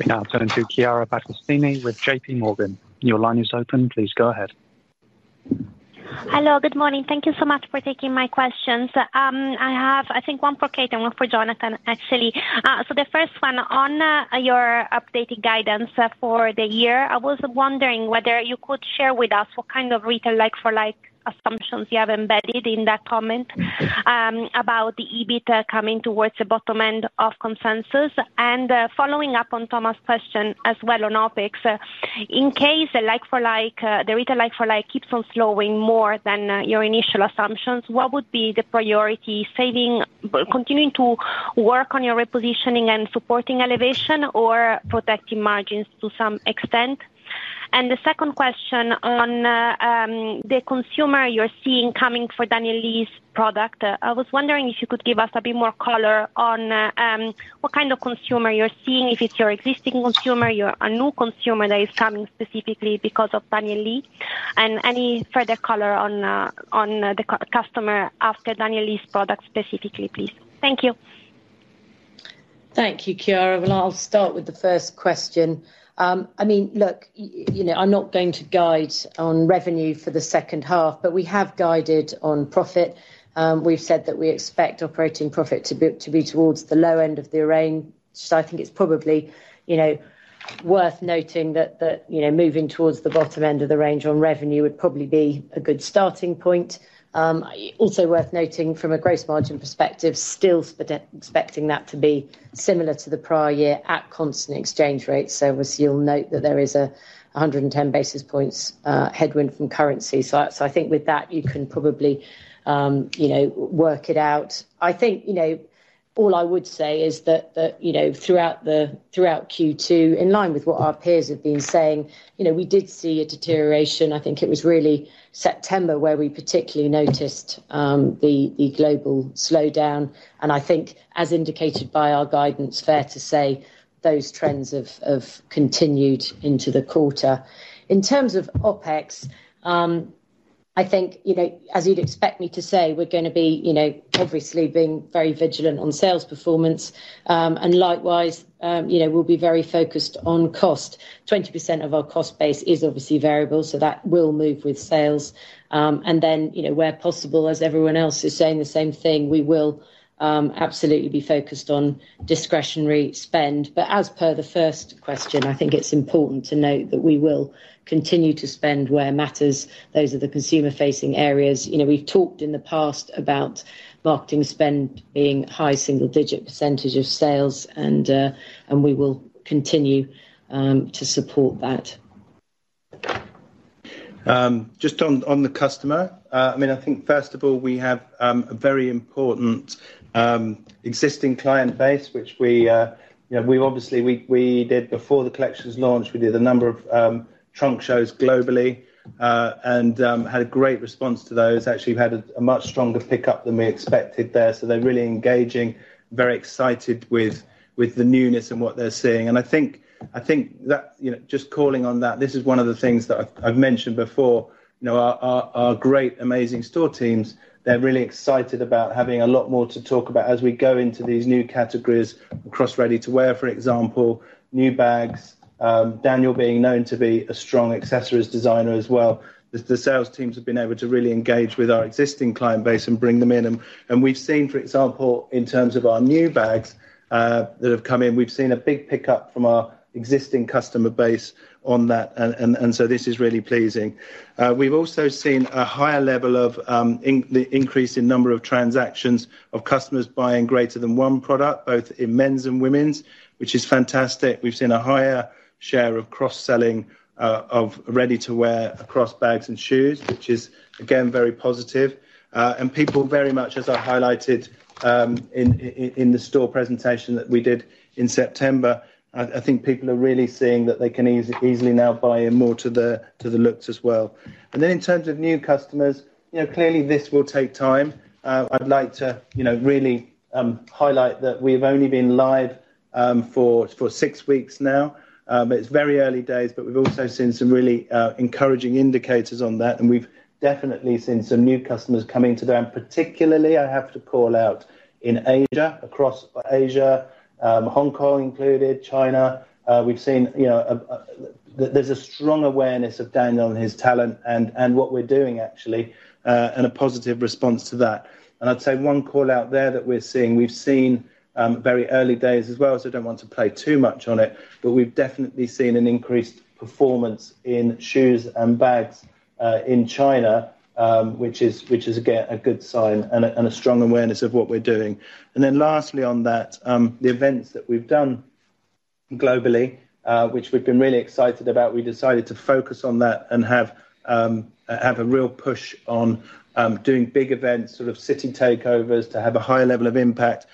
[SPEAKER 1] We now turn to Chiara Battistini with J.P. Morgan. Your line is open. Please go ahead.
[SPEAKER 5] Hello, good morning. Thank you so much for taking my questions. I have, I think, one for Kate and one for Jonathan, actually. So the first one, on your updated guidance for the year, I was wondering whether you could share with us what kind of retail like-for-like assumptions you have embedded in that comment about the EBIT coming towards the bottom end of consensus. And following up on Thomas' question as well on OpEx, in case the like-for-like, the retail like-for-like keeps on slowing more than your initial assumptions, what would be the priority, continuing to work on your repositioning and supporting elevation, or protecting margins to some extent? The second question on the consumer you're seeing coming for Daniel Lee's product, I was wondering if you could give us a bit more color on what kind of consumer you're seeing, if it's your existing consumer, or a new consumer that is coming specifically because of Daniel Lee... and any further color on the customer after Daniel Lee's product specifically, please? Thank you.
[SPEAKER 3] Thank you, Chiara. Well, I'll start with the first question. I mean, look, you know, I'm not going to guide on revenue for the second half, but we have guided on profit. We've said that we expect operating profit to be towards the low end of the range. So I think it's probably, you know, worth noting that you know, moving towards the bottom end of the range on revenue would probably be a good starting point. Also worth noting from a gross margin perspective, still expecting that to be similar to the prior year at constant exchange rates. So obviously, you'll note that there is 110 basis points headwind from currency. So I think with that, you can probably, you know, work it out. I think, you know, all I would say is that, throughout Q2, in line with what our peers have been saying, you know, we did see a deterioration. I think it was really September, where we particularly noticed the global slowdown, and I think, as indicated by our guidance, fair to say, those trends have continued into the quarter. In terms of OpEx, I think, you know, as you'd expect me to say, we're gonna be, you know, obviously being very vigilant on sales performance. Likewise, you know, we'll be very focused on cost. 20% of our cost base is obviously variable, so that will move with sales. Then, you know, where possible, as everyone else is saying the same thing, we will absolutely be focused on discretionary spend. As per the first question, I think it's important to note that we will continue to spend where matters. Those are the consumer-facing areas. You know, we've talked in the past about marketing spend being high single-digit % of sales, and we will continue to support that.
[SPEAKER 2] Just on the customer, I mean, I think, first of all, we have a very important existing client base, which we, you know, we've obviously did before the collections launch. We did a number of trunk shows globally, and had a great response to those. Actually, we've had a much stronger pickup than we expected there. So they're really engaging, very excited with the newness and what they're seeing. And I think that, you know, just calling on that, this is one of the things that I've mentioned before, you know, our great, amazing store teams, they're really excited about having a lot more to talk about as we go into these new categories across ready-to-wear, for example, new bags, Daniel being known to be a strong accessories designer as well. The sales teams have been able to really engage with our existing client base and bring them in. And we've seen, for example, in terms of our new bags that have come in, we've seen a big pickup from our existing customer base on that, and so this is really pleasing. We've also seen a higher level of the increase in number of transactions of customers buying greater than one product, both in men's and women's, which is fantastic. We've seen a higher share of cross-selling of ready-to-wear across bags and shoes, which is, again, very positive. And people very much, as I highlighted, in the store presentation that we did in September, I think people are really seeing that they can easily now buy in more to the looks as well. Then, in terms of new customers, you know, clearly this will take time. I'd like to, you know, really, highlight that we've only been live for six weeks now. It's very early days, but we've also seen some really encouraging indicators on that, and we've definitely seen some new customers coming to them. Particularly, I have to call out in Asia, across Asia, Hong Kong included, China, we've seen. There's a strong awareness of Daniel and his talent and what we're doing, actually, and a positive response to that. I'd say one call-out there that we're seeing, we've seen, very early days as well, so I don't want to play too much on it, but we've definitely seen an increased performance in shoes and bags in China, which is, again, a good sign and a strong awareness of what we're doing. And then lastly on that, the events that we've done globally, which we've been really excited about, we decided to focus on that and have a real push on doing big events, sort of city takeovers, to have a higher level of impact.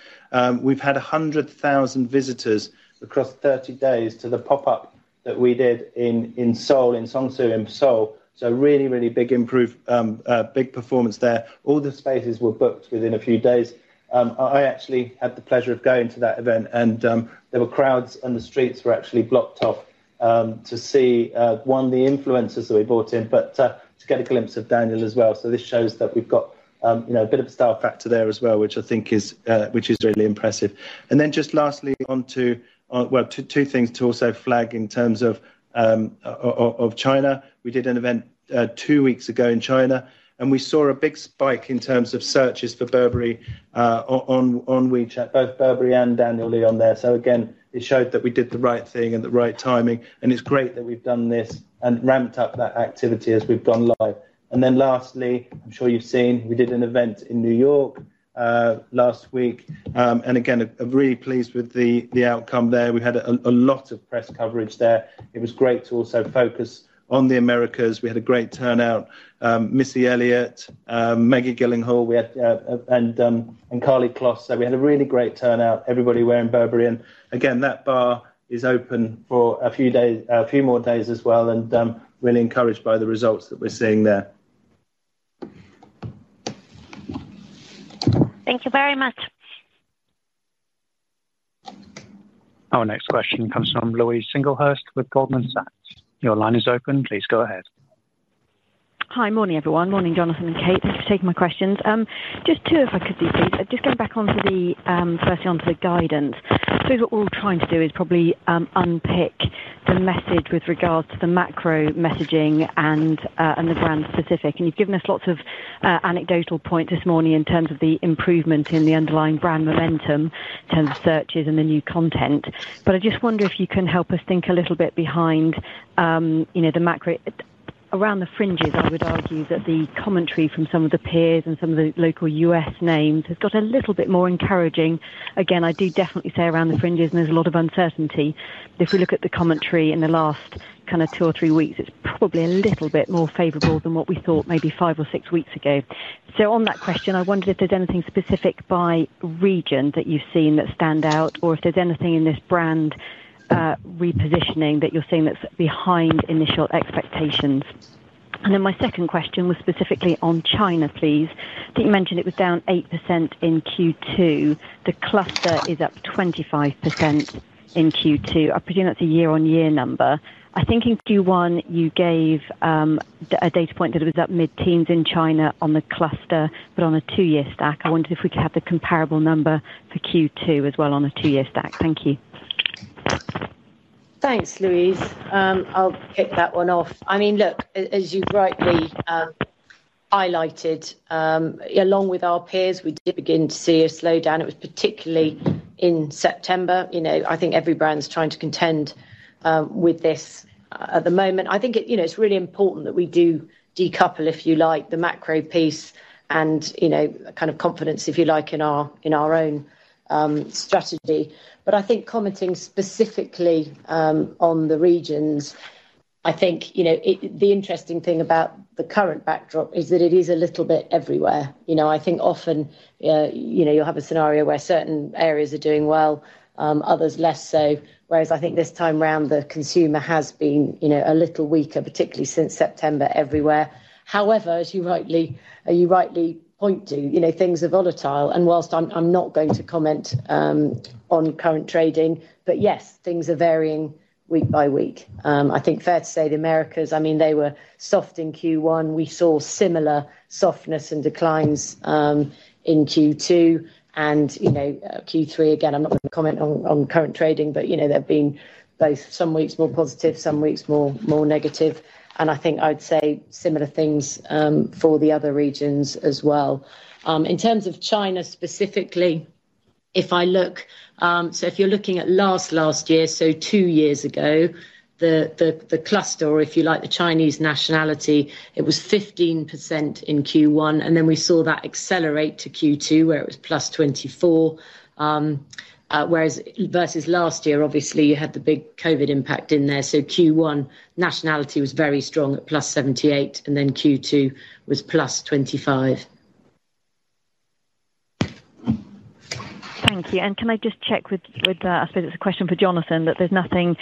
[SPEAKER 2] We've had 100,000 visitors across 30 days to the pop-up that we did in Seoul, in Seongsu, in Seoul. So really, really big improve, big performance there. All the spaces were booked within a few days. I actually had the pleasure of going to that event, and there were crowds, and the streets were actually blocked off to see the influencers that we brought in, but to get a glimpse of Daniel as well. So this shows that we've got you know, a bit of a star factor there as well, which I think is really impressive. And then just lastly, on to well, two things to also flag in terms of of China. We did an event two weeks ago in China, and we saw a big spike in terms of searches for Burberry on WeChat, both Burberry and Daniel Lee on there. So again, it showed that we did the right thing and the right timing, and it's great that we've done this and ramped up that activity as we've gone live. And then lastly, I'm sure you've seen, we did an event in New York last week, and again, I'm really pleased with the outcome there. We had a lot of press coverage there. It was great to also focus on the Americas. We had a great turnout, Missy Elliott, Maggie Gyllenhaal, we had, and, and Karlie Kloss. So we had a really great turnout, everybody wearing Burberry. And again, that bar is open for a few days, a few more days as well, and really encouraged by the results that we're seeing there.
[SPEAKER 5] Thank you very much.
[SPEAKER 1] Our next question comes from Louise Singlehurst with Goldman Sachs. Your line is open. Please go ahead.
[SPEAKER 6] Hi. Morning, everyone. Morning, Jonathan and Kate. Thank you for taking my questions. Just two, if I could, please. Just going back onto the, firstly, onto the guidance. I think what we're all trying to do is probably unpick the message with regards to the macro messaging and, and the brand specific. And you've given us lots of anecdotal points this morning in terms of the improvement in the underlying brand momentum, in terms of searches and the new content. But I just wonder if you can help us think a little bit behind, you know, the macro. Around the fringes, I would argue that the commentary from some of the peers and some of the local U.S. names has got a little bit more encouraging. Again, I do definitely say around the fringes, and there's a lot of uncertainty. If we look at the commentary in the last kind of two or three weeks, it's probably a little bit more favorable than what we thought maybe five or six weeks ago. So on that question, I wondered if there's anything specific by region that you've seen that stand out, or if there's anything in this brand repositioning that you're seeing that's behind initial expectations. And then my second question was specifically on China, please. I think you mentioned it was down 8% in Q2. The cluster is up 25% in Q2. I presume that's a year-over-year number. I think in Q1, you gave a data point that it was up mid-teens in China on the cluster, but on a two-year stack. I wondered if we could have the comparable number for Q2 as well on a two-year stack. Thank you.
[SPEAKER 3] Thanks, Louise. I'll kick that one off. I mean, look, as you rightly highlighted, along with our peers, we did begin to see a slowdown. It was particularly in September. You know, I think every brand is trying to contend with this at the moment. I think, you know, it's really important that we do decouple, if you like, the macro piece and, you know, kind of confidence, if you like, in our, in our own strategy. But I think commenting specifically on the regions, I think, you know, it, the interesting thing about the current backdrop is that it is a little bit everywhere. You know, I think often, you know, you'll have a scenario where certain areas are doing well, others less so, whereas I think this time around, the consumer has been, you know, a little weaker, particularly since September, everywhere. However, as you rightly, you rightly point to, you know, things are volatile, and whilst I'm not going to comment on current trading, but yes, things are varying week by week. I think fair to say, the Americas, I mean, they were soft in Q1. We saw similar softness and declines in Q2, and, you know, Q3, again, I'm not going to comment on current trading, but, you know, there have been both some weeks more positive, some weeks more negative. I think I'd say similar things for the other regions as well. In terms of China specifically, if I look, so if you're looking at last year, so two years ago, the cluster, or if you like, the Chinese nationality, it was 15% in Q1, and then we saw that accelerate to Q2, where it was +24%. Whereas versus last year, obviously, you had the big COVID impact in there. So Q1, nationality was very strong at +78%, and then Q2 was +25%.
[SPEAKER 6] Thank you. And can I just check with, I suppose it's a question for Jonathan, that there's nothing,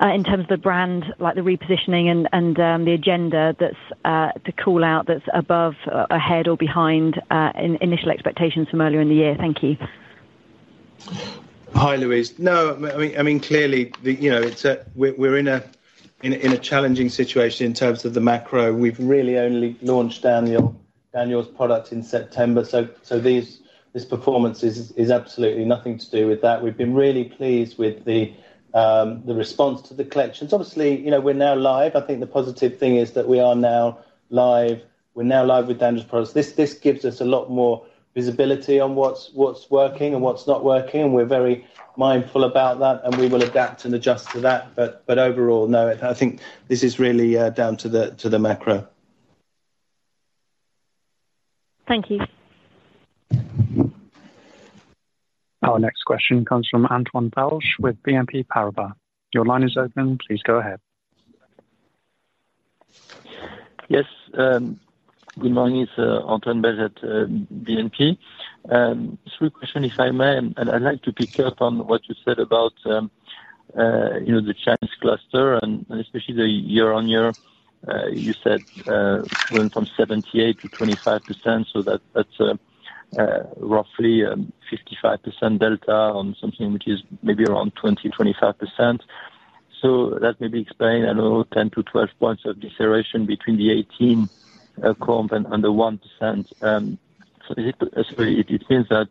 [SPEAKER 6] in terms of the brand, like the repositioning and, the agenda that's, to call out that's above, ahead or behind, in initial expectations from earlier in the year. Thank you.
[SPEAKER 2] Hi, Louise. No, I mean, clearly, you know, it's a-- we're in a challenging situation in terms of the macro. We've really only launched Daniel's product in September. So, this performance is absolutely nothing to do with that. We've been really pleased with the response to the collections. Obviously, you know, we're now live. I think the positive thing is that we are now live. We're now live with Daniel's products. This gives us a lot more visibility on what's working and what's not working, and we're very mindful about that, and we will adapt and adjust to that. But overall, no, I think this is really down to the macro.
[SPEAKER 6] Thank you.
[SPEAKER 1] Our next question comes from Antoine Belge with BNP Paribas. Your line is open. Please go ahead.
[SPEAKER 7] Yes, good morning. It's Antoine Belge at BNP. Three questions, if I may, and I'd like to pick up on what you said about you know, the Chinese cluster and especially the year-on-year. You said went from 78% to 25%, so that's roughly a 55% delta on something which is maybe around 20, 25%. So that may be explained, I know, 10-12 points of deceleration between the 18 comp and the 1%. So is it, sorry, it means that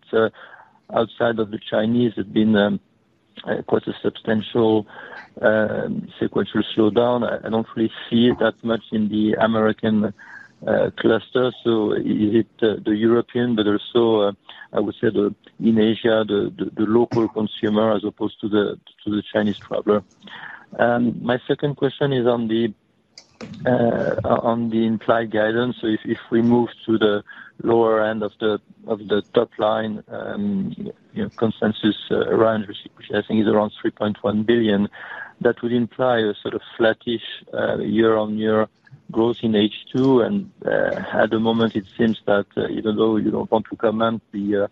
[SPEAKER 7] outside of the Chinese, have been quite a substantial sequential slowdown. I don't really see it that much in the American cluster, so it hit the the European, but also I would say the... In Asia, the local consumer, as opposed to the Chinese traveler. My second question is on the implied guidance. So if we move to the lower end of the top line, you know, consensus range, which I think is around 3.1 billion, that would imply a sort of flattish year-on-year growth in H2. And at the moment, it seems that even though you don't want to comment, the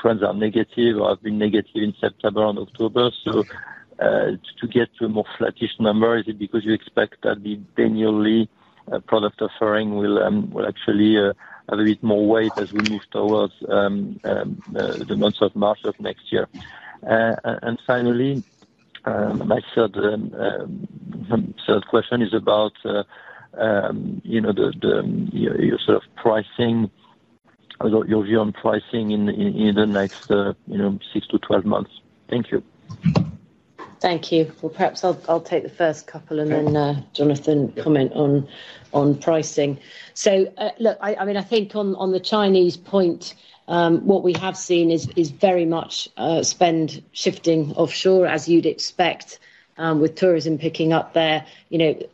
[SPEAKER 7] trends are negative or have been negative in September and October. So to get to a more flattish number? Is it because you expect that the Daniel Lee product offering will actually have a bit more weight as we move towards the months of March of next year? And finally, my third question is about, you know, the, the, your sort of pricing, or your view on pricing in, in the next, you know, six to 12 months. Thank you.
[SPEAKER 3] Thank you. Well, perhaps I'll take the first couple-
[SPEAKER 2] Sure.
[SPEAKER 3] - and then, Jonathan comment on, on pricing. So, look, I, I mean, I think on, on the Chinese point, what we have seen is very much, spend shifting offshore, as you'd expect, with tourism picking up there. You know,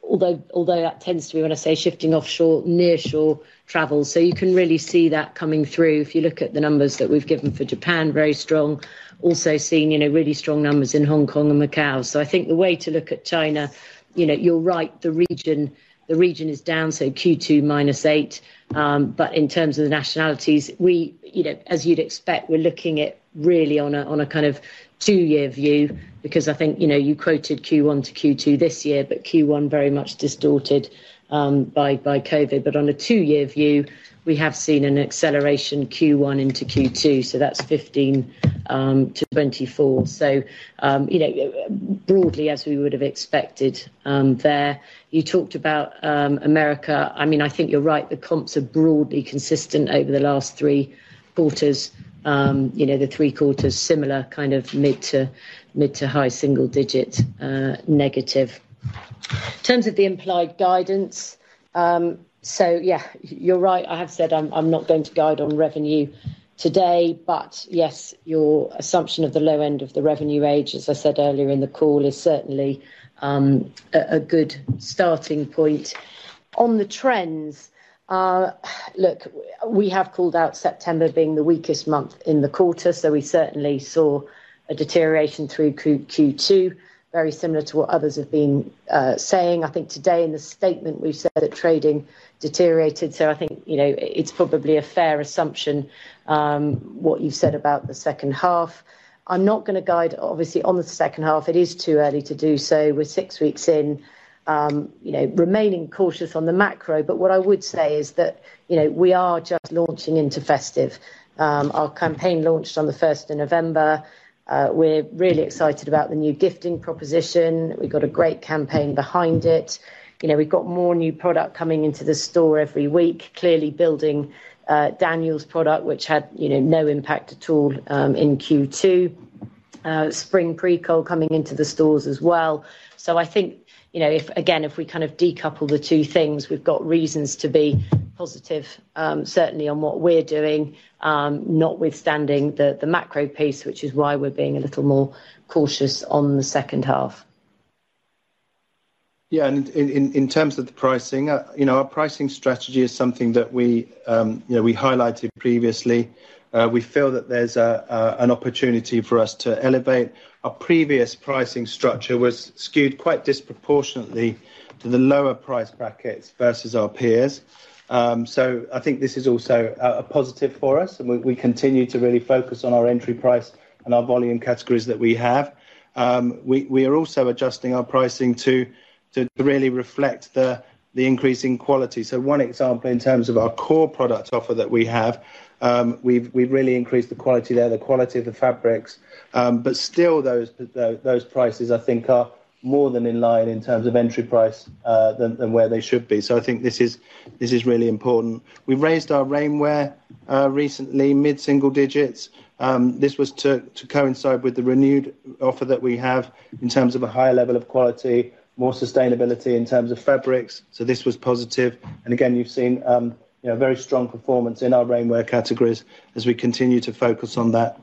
[SPEAKER 3] although that tends to be, when I say, shifting offshore, nearshore travel. So you can really see that coming through. If you look at the numbers that we've given for Japan, very strong. Also seeing, you know, really strong numbers in Hong Kong and Macau. So I think the way to look at China, you know, you're right, the region is down, so Q2 -8. But in terms of the nationalities, we, you know, as you'd expect, we're looking at really on a kind of two-year view, because I think, you know, you quoted Q1 to Q2 this year, but Q1 very much distorted by COVID. But on a two-year view, we have seen an acceleration Q1 into Q2, so that's 15-24. So, you know, broadly, as we would have expected, there. You talked about America. I mean, I think you're right. The comps are broadly consistent over the last three quarters. You know, the three quarters, similar kind of mid- to high-single-digit negative. In terms of the implied guidance, so yeah, you're right. I have said I'm not going to guide on revenue today, but yes, your assumption of the low end of the revenue range, as I said earlier in the call, is certainly a good starting point. On the trends, look, we have called out September being the weakest month in the quarter, so we certainly saw a deterioration through Q2, very similar to what others have been saying. I think today in the statement, we've said that trading deteriorated, so I think, you know, it's probably a fair assumption what you said about the second half. I'm not going to guide, obviously, on the second half. It is too early to do so. We're six weeks in, you know, remaining cautious on the macro. But what I would say is that, you know, we are just launching into festive. Our campaign launched on the first of November. We're really excited about the new gifting proposition. We've got a great campaign behind it. You know, we've got more new product coming into the store every week, clearly building Daniel's product, which had, you know, no impact at all in Q2. Spring pre-collection coming into the stores as well. So I think, you know, if, again, if we kind of decouple the two things, we've got reasons to be positive, certainly on what we're doing, notwithstanding the macro piece, which is why we're being a little more cautious on the second half.
[SPEAKER 2] Yeah, and in terms of the pricing, you know, our pricing strategy is something that we, you know, we highlighted previously. We feel that there's an opportunity for us to elevate. Our previous pricing structure was skewed quite disproportionately to the lower price brackets versus our peers. So I think this is also a positive for us, and we continue to really focus on our entry price and our volume categories that we have. We are also adjusting our pricing to really reflect the increasing quality. So one example, in terms of our core product offer that we have, we've really increased the quality there, the quality of the fabrics, but still those prices, I think, are more than in line in terms of entry price than where they should be. So I think this is really important. We raised our rainwear recently, mid-single digits. This was to coincide with the renewed offer that we have in terms of a higher level of quality, more sustainability in terms of fabrics. So this was positive. And again, you've seen a very strong performance in our rainwear categories as we continue to focus on that.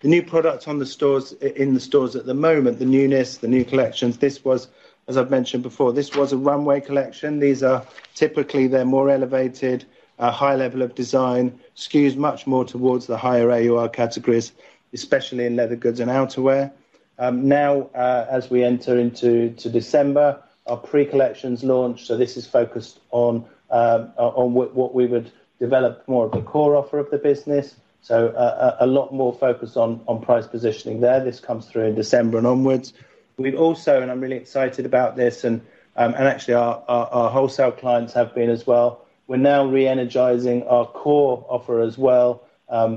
[SPEAKER 2] The new products on the stores, in the stores at the moment, the newness, the new collections, this was, as I've mentioned before, this was a runway collection. These are typically, they're more elevated, a high level of design, skews much more towards the higher AUR categories, especially in leather goods and outerwear. Now, as we enter into to December, our pre-collections launch, so this is focused on, on what, what we would develop more of the core offer of the business. So a lot more focus on price positioning there. This comes through in December and onwards. We've also, and I'm really excited about this, and actually, our wholesale clients have been as well. We're now re-energizing our core offer as well,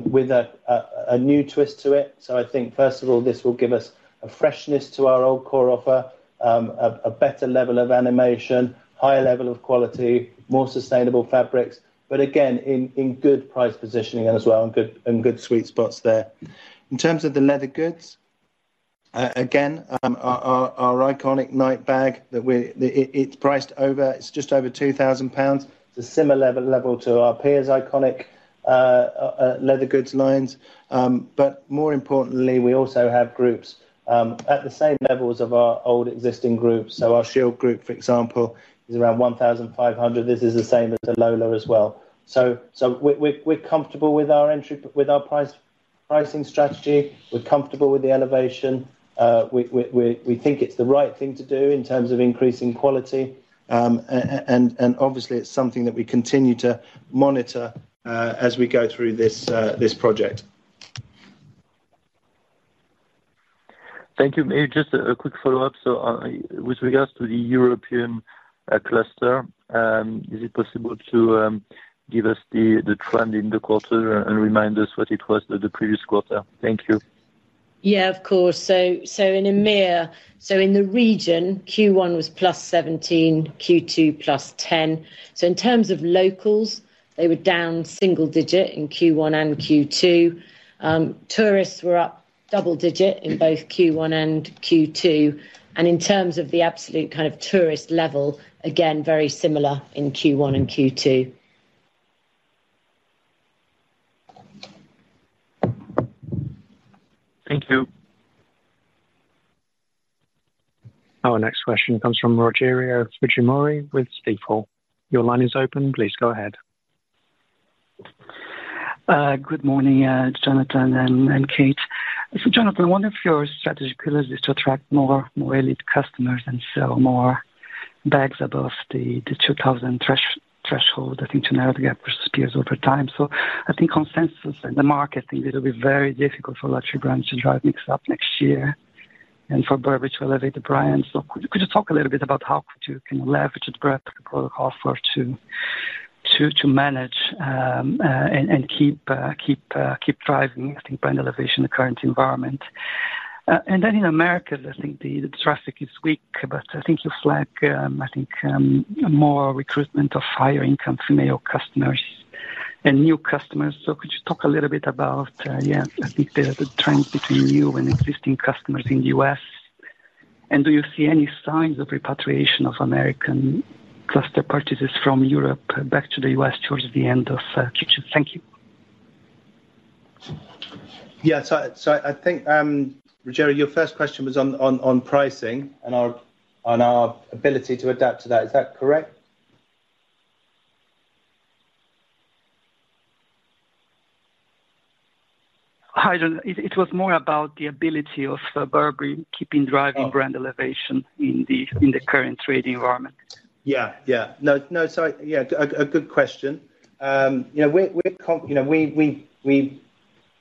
[SPEAKER 2] with a new twist to it. So I think, first of all, this will give us a freshness to our old core offer, a better level of animation, higher level of quality, more sustainable fabrics, but again, in good price positioning as well, and good sweet spots there. In terms of the leather goods, again, our iconic Knight Bag, it's just over 2,000 pounds. It's a similar level to our peers' iconic leather goods lines. But more importantly, we also have groups at the same levels of our old existing groups. So our Shield group, for example, is around 1,500. This is the same as the Lola as well. So we're comfortable with our entry, with our pricing strategy. We're comfortable with the elevation. We think it's the right thing to do in terms of increasing quality. And obviously, it's something that we continue to monitor, as we go through this project.
[SPEAKER 7] Thank you. Maybe just a quick follow-up. So, with regards to the European cluster, is it possible to give us the trend in the quarter and remind us what it was the previous quarter? Thank you.
[SPEAKER 3] Yeah, of course. So, so in EMEA, so in the region, Q1 was +17, Q2 +10. So in terms of locals, they were down single digit in Q1 and Q2. Tourists were up double digit in both Q1 and Q2. And in terms of the absolute kind of tourist level, again, very similar in Q1 and Q2.
[SPEAKER 7] Thank you.
[SPEAKER 1] Our next question comes from Rogerio Fujimori with Stifel. Your line is open. Please go ahead.
[SPEAKER 8] Good morning, Jonathan and Kate. So, Jonathan, one of your strategic pillars is to attract more elite customers and sell more bags above the 2,000 threshold, I think, to narrow the gap versus peers over time. So I think consensus in the market think it'll be very difficult for luxury brands to drive mix up next year and for Burberry to elevate the brand. So could you talk a little bit about how you can leverage the practical offer to manage and keep driving, I think, brand elevation in the current environment? And then in Americas, I think the traffic is weak, but I think you flag more recruitment of higher income female customers and new customers. So could you talk a little bit about, I think the trends between new and existing customers in U.S.? And do you see any signs of repatriation of American luxury purchases from Europe back to the U.S. towards the end of Q2? Thank you.
[SPEAKER 2] Yeah, so I think, Rogerio, your first question was on pricing and our ability to adapt to that. Is that correct?
[SPEAKER 8] Hi, Jon. It was more about the ability of Burberry keeping driving brand elevation in the current trading environment.
[SPEAKER 2] Yeah, yeah. No, no, so, yeah, a good question. You know, we're concentrating.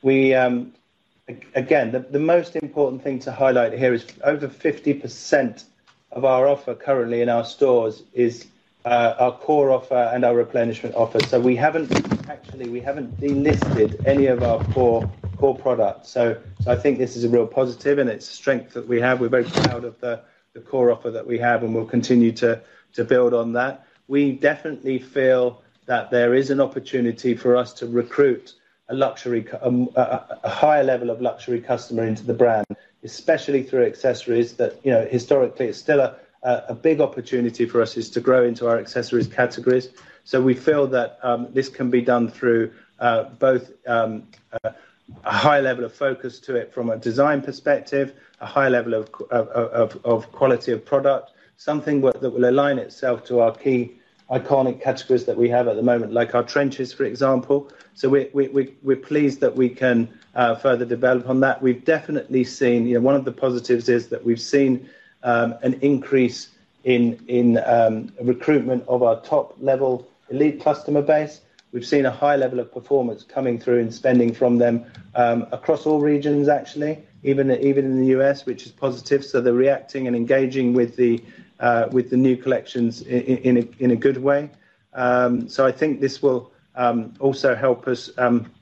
[SPEAKER 2] You know, again, the most important thing to highlight here is over 50% of our offer currently in our stores is our core offer and our replenishment offer. So we haven't actually, we haven't delisted any of our core products. So I think this is a real positive, and it's a strength that we have. We're very proud of the core offer that we have, and we'll continue to build on that. We definitely feel that there is an opportunity for us to recruit a higher level of luxury customer into the brand, especially through accessories that, you know, historically it's still a big opportunity for us, is to grow into our accessories categories. So we feel that this can be done through both a high level of focus to it from a design perspective, a high level of quality of product, something that will align itself to our key iconic categories that we have at the moment, like our trenches, for example. So we're pleased that we can further develop on that. We've definitely seen. You know, one of the positives is that we've seen an increase in recruitment of our top-level elite customer base. We've seen a high level of performance coming through and spending from them across all regions, actually, even in the U.S., which is positive. So they're reacting and engaging with the new collections in a good way. So I think this will also help us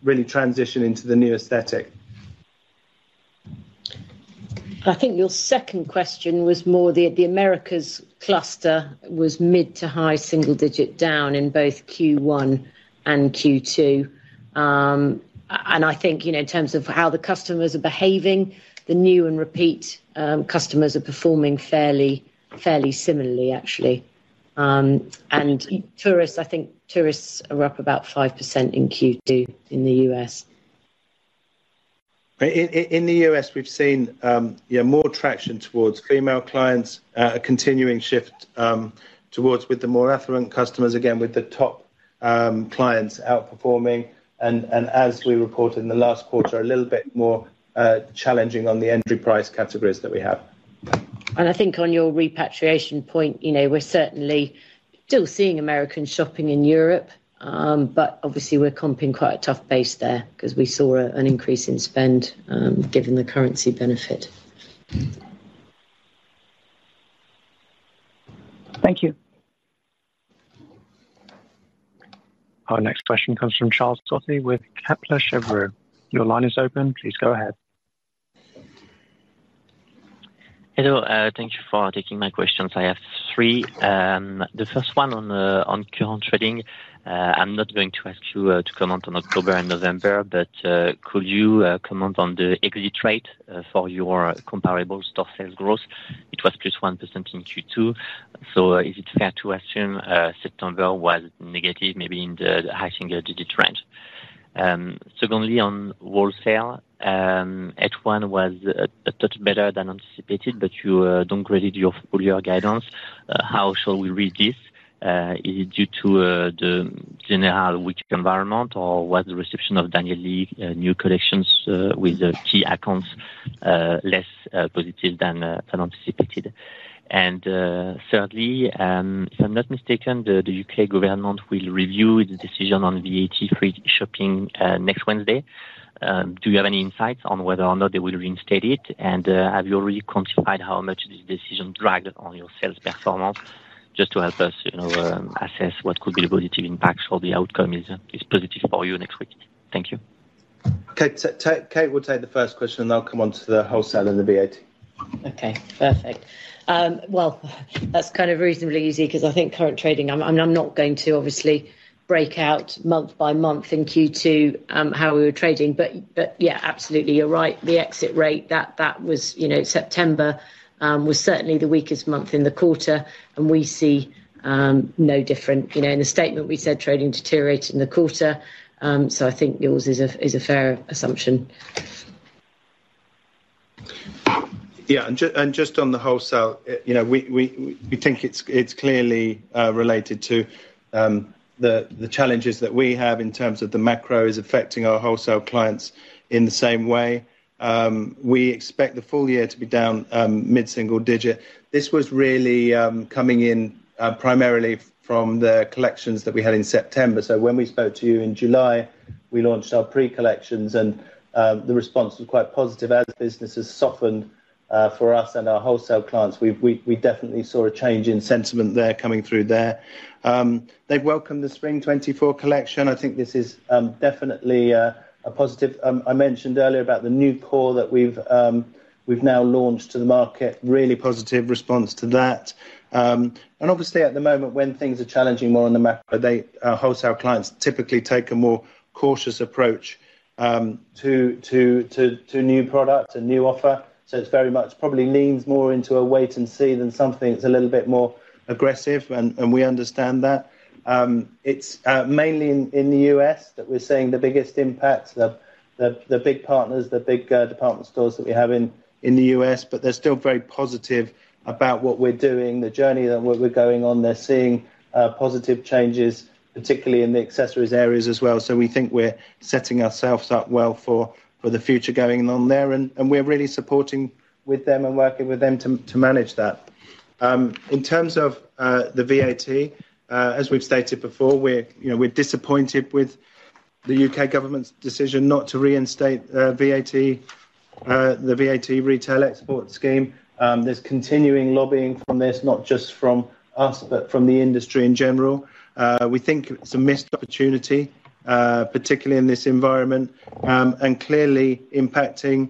[SPEAKER 2] really transition into the new aesthetic.
[SPEAKER 3] I think your second question was more the Americas cluster was mid- to high-single-digit down in both Q1 and Q2. And I think, you know, in terms of how the customers are behaving, the new and repeat customers are performing fairly, fairly similarly, actually. And tourists, I think tourists are up about 5% in Q2 in the U.S.
[SPEAKER 2] In the U.S., we've seen more traction towards female clients, a continuing shift towards with the more affluent customers, again, with the top clients outperforming. And as we reported in the last quarter, a little bit more challenging on the entry price categories that we have.
[SPEAKER 3] I think on your repatriation point, you know, we're certainly still seeing Americans shopping in Europe, but obviously we're comping quite a tough base there 'cause we saw an increase in spend, given the currency benefit.
[SPEAKER 8] Thank you.
[SPEAKER 1] Our next question comes from Charles Scotti with Kepler Cheuvreux. Your line is open. Please go ahead.
[SPEAKER 9] Hello, thank you for taking my questions. I have three. The first one on current trading. I'm not going to ask you to comment on October and November, but could you comment on the LFL rate for your comparable store sales growth? It was +1% in Q2. So, is it fair to assume September was negative, maybe in the high single digit range? Secondly, on wholesale, H1 was a touch better than anticipated, but you don't upgrade your full year guidance. How shall we read this? Is it due to the general weak environment, or was the reception of Daniel Lee's new collections with the key accounts less positive than anticipated? Thirdly, if I'm not mistaken, the U.K. government will review the decision on VAT-free shopping next Wednesday. Do you have any insights on whether or not they will reinstate it? And have you already quantified how much this decision dragged on your sales performance, just to help us, you know, assess what could be a positive impact if the outcome is positive for you next week? Thank you.
[SPEAKER 2] Kate, Kate will take the first question, and I'll come on to the wholesale and the VAT.
[SPEAKER 3] Okay, perfect. Well, that's kind of reasonably easy 'cause I think current trading, I'm not going to obviously break out month by month in Q2, how we were trading, but, yeah, absolutely, you're right. The exit rate, that was, you know, September was certainly the weakest month in the quarter, and we see no different. You know, in the statement, we said trading deteriorated in the quarter, so I think yours is a fair assumption.
[SPEAKER 2] Yeah, and just on the wholesale, you know, we think it's clearly related to the challenges that we have in terms of the macro is affecting our wholesale clients in the same way. We expect the full year to be down mid-single digit. This was really coming in primarily from the collections that we had in September. So when we spoke to you in July, we launched our pre-collections, and the response was quite positive. As business has softened for us and our wholesale clients, we've definitely saw a change in sentiment there coming through there. They've welcomed the Spring 2024 collection. I think this is definitely a positive. I mentioned earlier about the new core that we've now launched to the market. Really positive response to that. And obviously, at the moment, when things are challenging more on the macro, they, our wholesale clients typically take a more cautious approach to new product and new offer. So it's very much probably leans more into a wait and see than something that's a little bit more aggressive, and we understand that. It's mainly in the U.S. that we're seeing the biggest impact, the big partners, the big department stores that we have in the U.S., but they're still very positive about what we're doing, the journey that we're going on. They're seeing positive changes, particularly in the accessories areas as well. So we think we're setting ourselves up well for the future going on there, and we're really supporting with them and working with them to manage that. In terms of the VAT, as we've stated before, we're, you know, we're disappointed with the U.K. government's decision not to reinstate VAT, the VAT Retail Export Scheme. There's continuing lobbying from this, not just from us, but from the industry in general. We think it's a missed opportunity, particularly in this environment, and clearly impacting,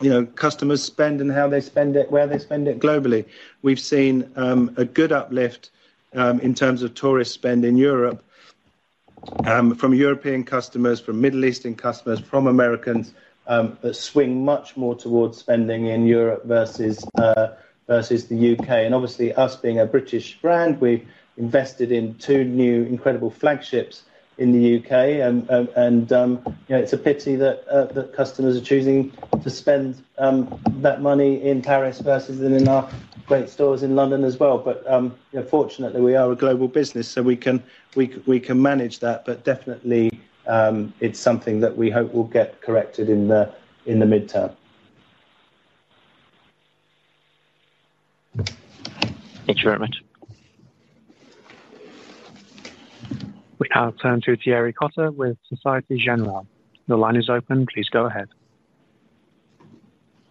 [SPEAKER 2] you know, customers' spend and how they spend it, where they spend it globally. We've seen a good uplift in terms of tourist spend in Europe from European customers, from Middle Eastern customers, from Americans that swing much more towards spending in Europe versus the U.K. Obviously, us being a British brand, we invested in two new incredible flagships in the U.K. You know, it's a pity that customers are choosing to spend that money in Paris versus in our great stores in London as well. But yeah, fortunately, we are a global business, so we can manage that, but definitely, it's something that we hope will get corrected in the midterm.
[SPEAKER 9] Thank you very much.
[SPEAKER 1] We now turn to Thierry Cota with Société Générale. The line is open. Please go ahead.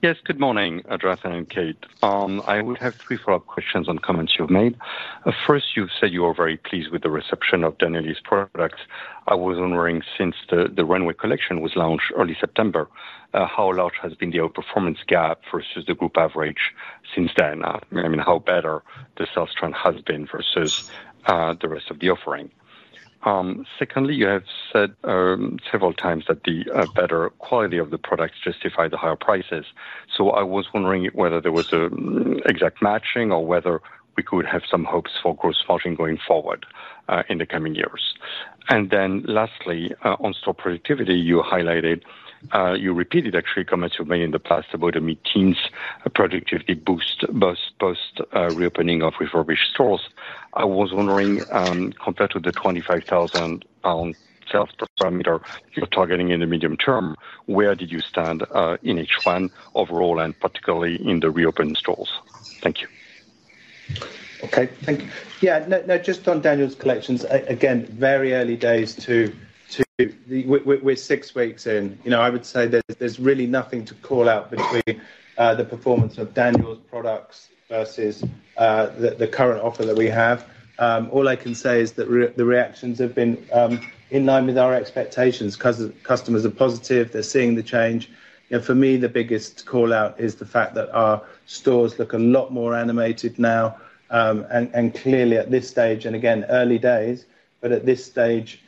[SPEAKER 10] Yes, good morning, addressing on Kate. I would have three follow-up questions on comments you've made. First, you've said you are very pleased with the reception of Daniel's product. I was wondering, since the runway collection was launched early September, how large has been the outperformance gap versus the group average since then? I mean, how better the sales trend has been versus the rest of the offering. Secondly, you have said several times that the better quality of the products justify the higher prices. So I was wondering whether there was a exact matching or whether we could have some hopes for gross margin going forward in the coming years. Then lastly, on store productivity, you highlighted, you repeated actually comments you've made in the past about the mid-teens productivity boost post reopening of refurbished stores. I was wondering, compared to the 25,000 pound sales per sq m you're targeting in the medium term, where did you stand in each one overall, and particularly in the reopened stores? Thank you.
[SPEAKER 2] Okay, thank you. Yeah, no, no, just on Daniel's collections, again, very early days to... We're six weeks in. You know, I would say there's really nothing to call out between the performance of Daniel's products versus the current offer that we have. All I can say is that the reactions have been in line with our expectations. Customers are positive, they're seeing the change. You know, for me, the biggest call-out is the fact that our stores look a lot more animated now. And clearly, at this stage, and again, early days, but at this stage,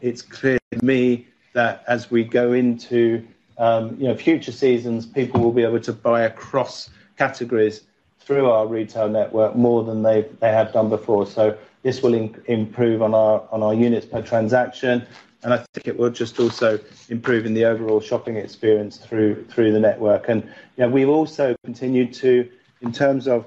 [SPEAKER 2] it's clear to me that as we go into, you know, future seasons, people will be able to buy across categories through our retail network more than they've done before. So this will improve on our units per transaction, and I think it will just also improve in the overall shopping experience through the network. And, you know, we've also continued to, in terms of,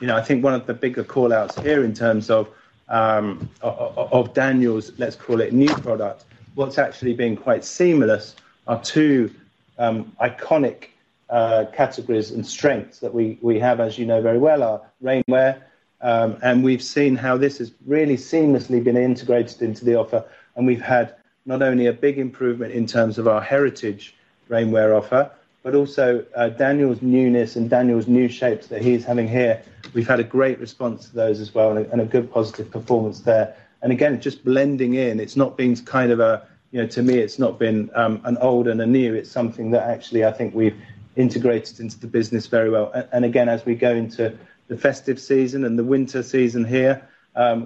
[SPEAKER 2] you know, I think one of the bigger call-outs here in terms of of Daniel's, let's call it, new product, what's actually been quite seamless are two iconic categories and strengths that we have, as you know very well, are rainwear. And we've seen how this has really seamlessly been integrated into the offer, and we've had not only a big improvement in terms of our heritage rainwear offer, but also Daniel's newness and Daniel's new shapes that he's having here. We've had a great response to those as well and a good positive performance there. And again, just blending in, it's not been kind of a, you know, to me, it's not been an old and a new, it's something that actually I think we've integrated into the business very well. And again, as we go into the festive season and the winter season here,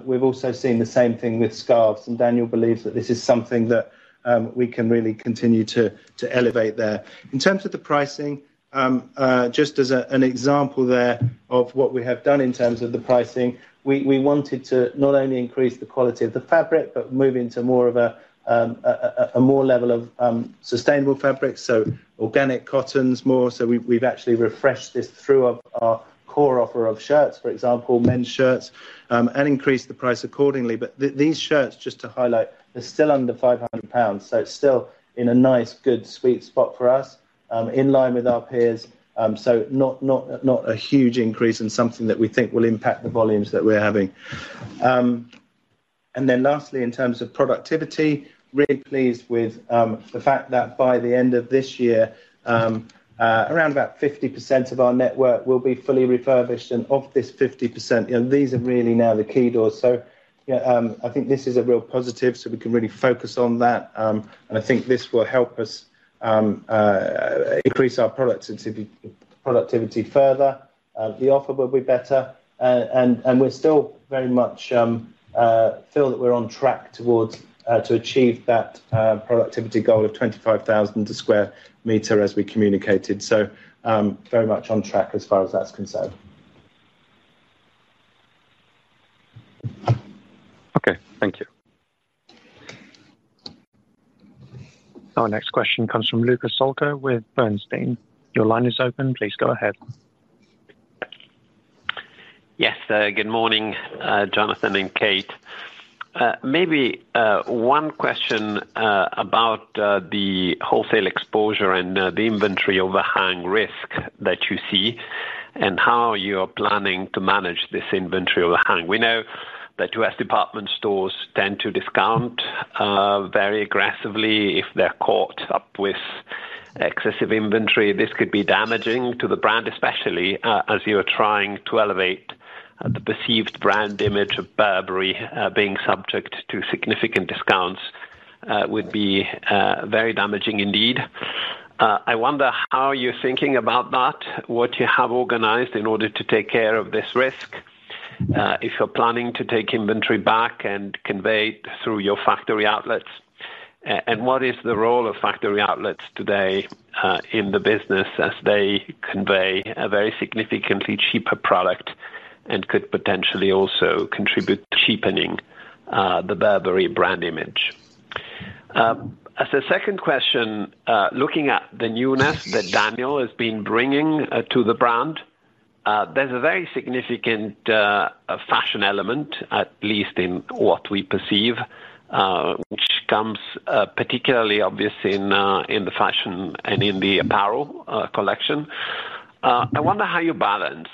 [SPEAKER 2] we've also seen the same thing with scarves, and Daniel believes that this is something that we can really continue to elevate there. In terms of the pricing, just as an example there of what we have done in terms of the pricing, we wanted to not only increase the quality of the fabric, but move into more of a more level of sustainable fabrics, so organic cottons more. So we've actually refreshed this through our core offer of shirts, for example, men's shirts, and increased the price accordingly. But these shirts, just to highlight, they're still under 500 pounds, so it's still in a nice, good, sweet spot for us, in line with our peers. So not a huge increase and something that we think will impact the volumes that we're having. And then lastly, in terms of productivity, really pleased with the fact that by the end of this year, around 50% of our network will be fully refurbished, and of this 50%, these are really now the key doors. So, yeah, I think this is a real positive, so we can really focus on that. I think this will help us increase our productivity, productivity further. The offer will be better, and we're still very much feel that we're on track towards to achieve that productivity goal of 25,000 sq m as we communicated. So, very much on track as far as that's concerned.
[SPEAKER 10] Okay, thank you.
[SPEAKER 1] Our next question comes from Luca Solca with Bernstein. Your line is open. Please go ahead.
[SPEAKER 11] Yes, good morning, Jonathan and Kate. Maybe one question about the wholesale exposure and the inventory overhang risk that you see and how you are planning to manage this inventory overhang. We know that U.S. department stores tend to discount very aggressively if they're caught up with excessive inventory. This could be damaging to the brand, especially as you are trying to elevate the perceived brand image of Burberry. Being subject to significant discounts would be very damaging indeed. I wonder how you're thinking about that, what you have organized in order to take care of this risk, if you're planning to take inventory back and convey through your factory outlets, and what is the role of factory outlets today, in the business as they convey a very significantly cheaper product and could potentially also contribute to cheapening, the Burberry brand image? As a second question, looking at the newness that Daniel has been bringing to the brand, there's a very significant fashion element, at least in what we perceive, which comes particularly obvious in the fashion and in the apparel collection. I wonder how you balance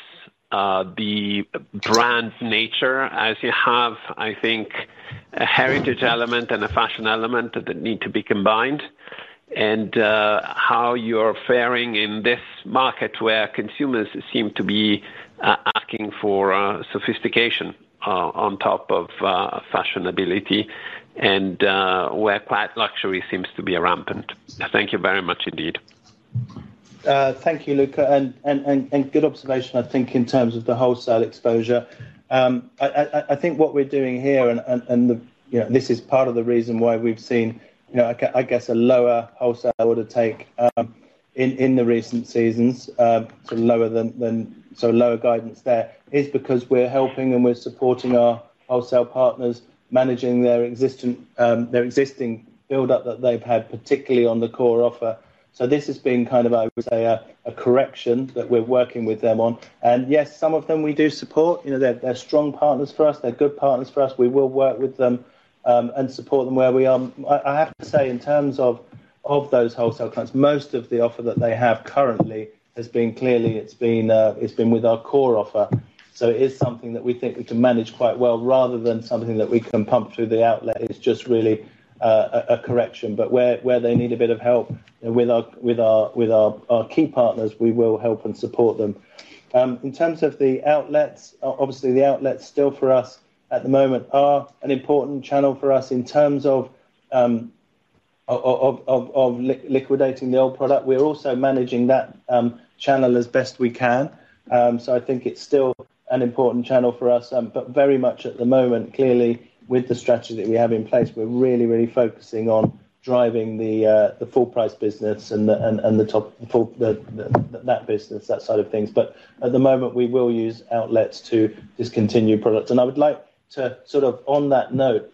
[SPEAKER 11] the brand's nature as you have, I think, a heritage element and a fashion element that need to be combined, and how you're faring in this market where consumers seem to be asking for sophistication on top of fashionability, and where quiet luxury seems to be rampant. Thank you very much indeed.
[SPEAKER 2] Thank you, Luca, and good observation, I think, in terms of the wholesale exposure. I think what we're doing here and the, you know, this is part of the reason why we've seen, you know, I guess, a lower wholesale order take, in the recent seasons, so lower than, so lower guidance there, is because we're helping and we're supporting our wholesale partners managing their existing buildup that they've had, particularly on the core offer. So this has been kind of, I would say, a correction that we're working with them on. And yes, some of them we do support. You know, they're strong partners for us. They're good partners for us. We will work with them and support them where we are. I have to say, in terms of those wholesale clients, most of the offer that they have currently has been clearly, it's been with our core offer. So it is something that we think we can manage quite well rather than something that we can pump through the outlet. It's just really a correction, but where they need a bit of help with our key partners, we will help and support them. In terms of the outlets, obviously, the outlets still for us at the moment are an important channel for us in terms of liquidating the old product. We're also managing that channel as best we can. So, I think it's still an important channel for us, but very much at the moment, clearly, with the strategy that we have in place, we're really, really focusing on driving the full price business and the top, the full, that business, that side of things. But at the moment, we will use outlets to discontinue products. And I would like to sort of on that note,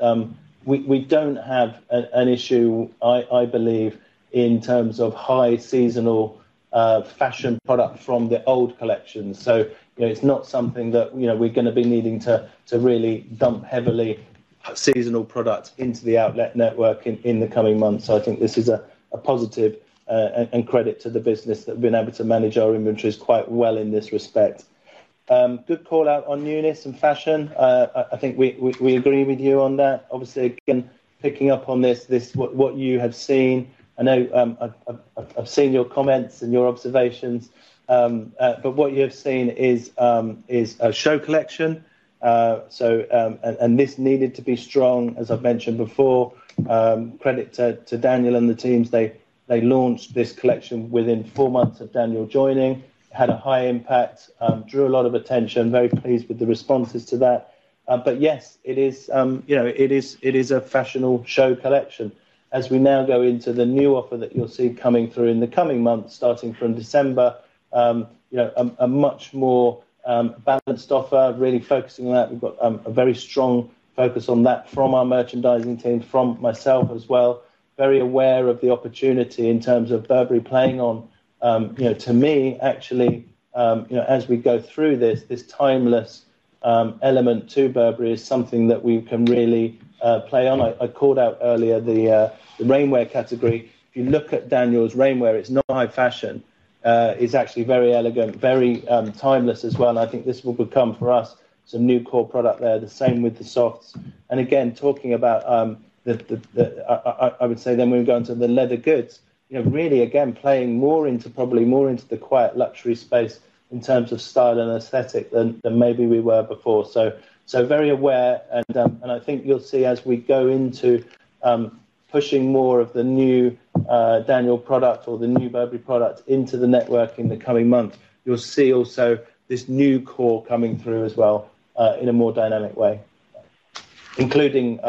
[SPEAKER 2] we don't have an issue, I believe, in terms of highly seasonal fashion product from the old collection. So, you know, it's not something that, you know, we're gonna be needing to really dump heavily seasonal product into the outlet network in the coming months. So I think this is a positive and credit to the business that we've been able to manage our inventories quite well in this respect. Good call out on newness and fashion. I think we agree with you on that. Obviously, again, picking up on this, what you have seen, I know, I've seen your comments and your observations, but what you have seen is a show collection. So, this needed to be strong, as I've mentioned before. Credit to Daniel and the teams, they launched this collection within four months of Daniel joining, had a high impact, drew a lot of attention. Very pleased with the responses to that. But yes, it is, you know, it is a fashionable show collection. As we now go into the new offer that you'll see coming through in the coming months, starting from December, you know, a much more balanced offer, really focusing on that. We've got a very strong focus on that from our merchandising team, from myself as well. Very aware of the opportunity in terms of Burberry playing on, you know, to me, actually, you know, as we go through this timeless element to Burberry is something that we can really play on. I called out earlier the rainwear category. If you look at Daniel's rainwear, it's not high fashion, it's actually very elegant, very timeless as well, and I think this will become for us some new core product there, the same with the softs. And again, talking about, I would say then moving on to the leather goods, you know, really, again, playing more into, probably more into the quiet luxury space in terms of style and aesthetic than maybe we were before. So, very aware, and I think you'll see as we go into pushing more of the new Daniel product or the new Burberry product into the network in the coming months. You'll see also this new core coming through as well in a more dynamic way, including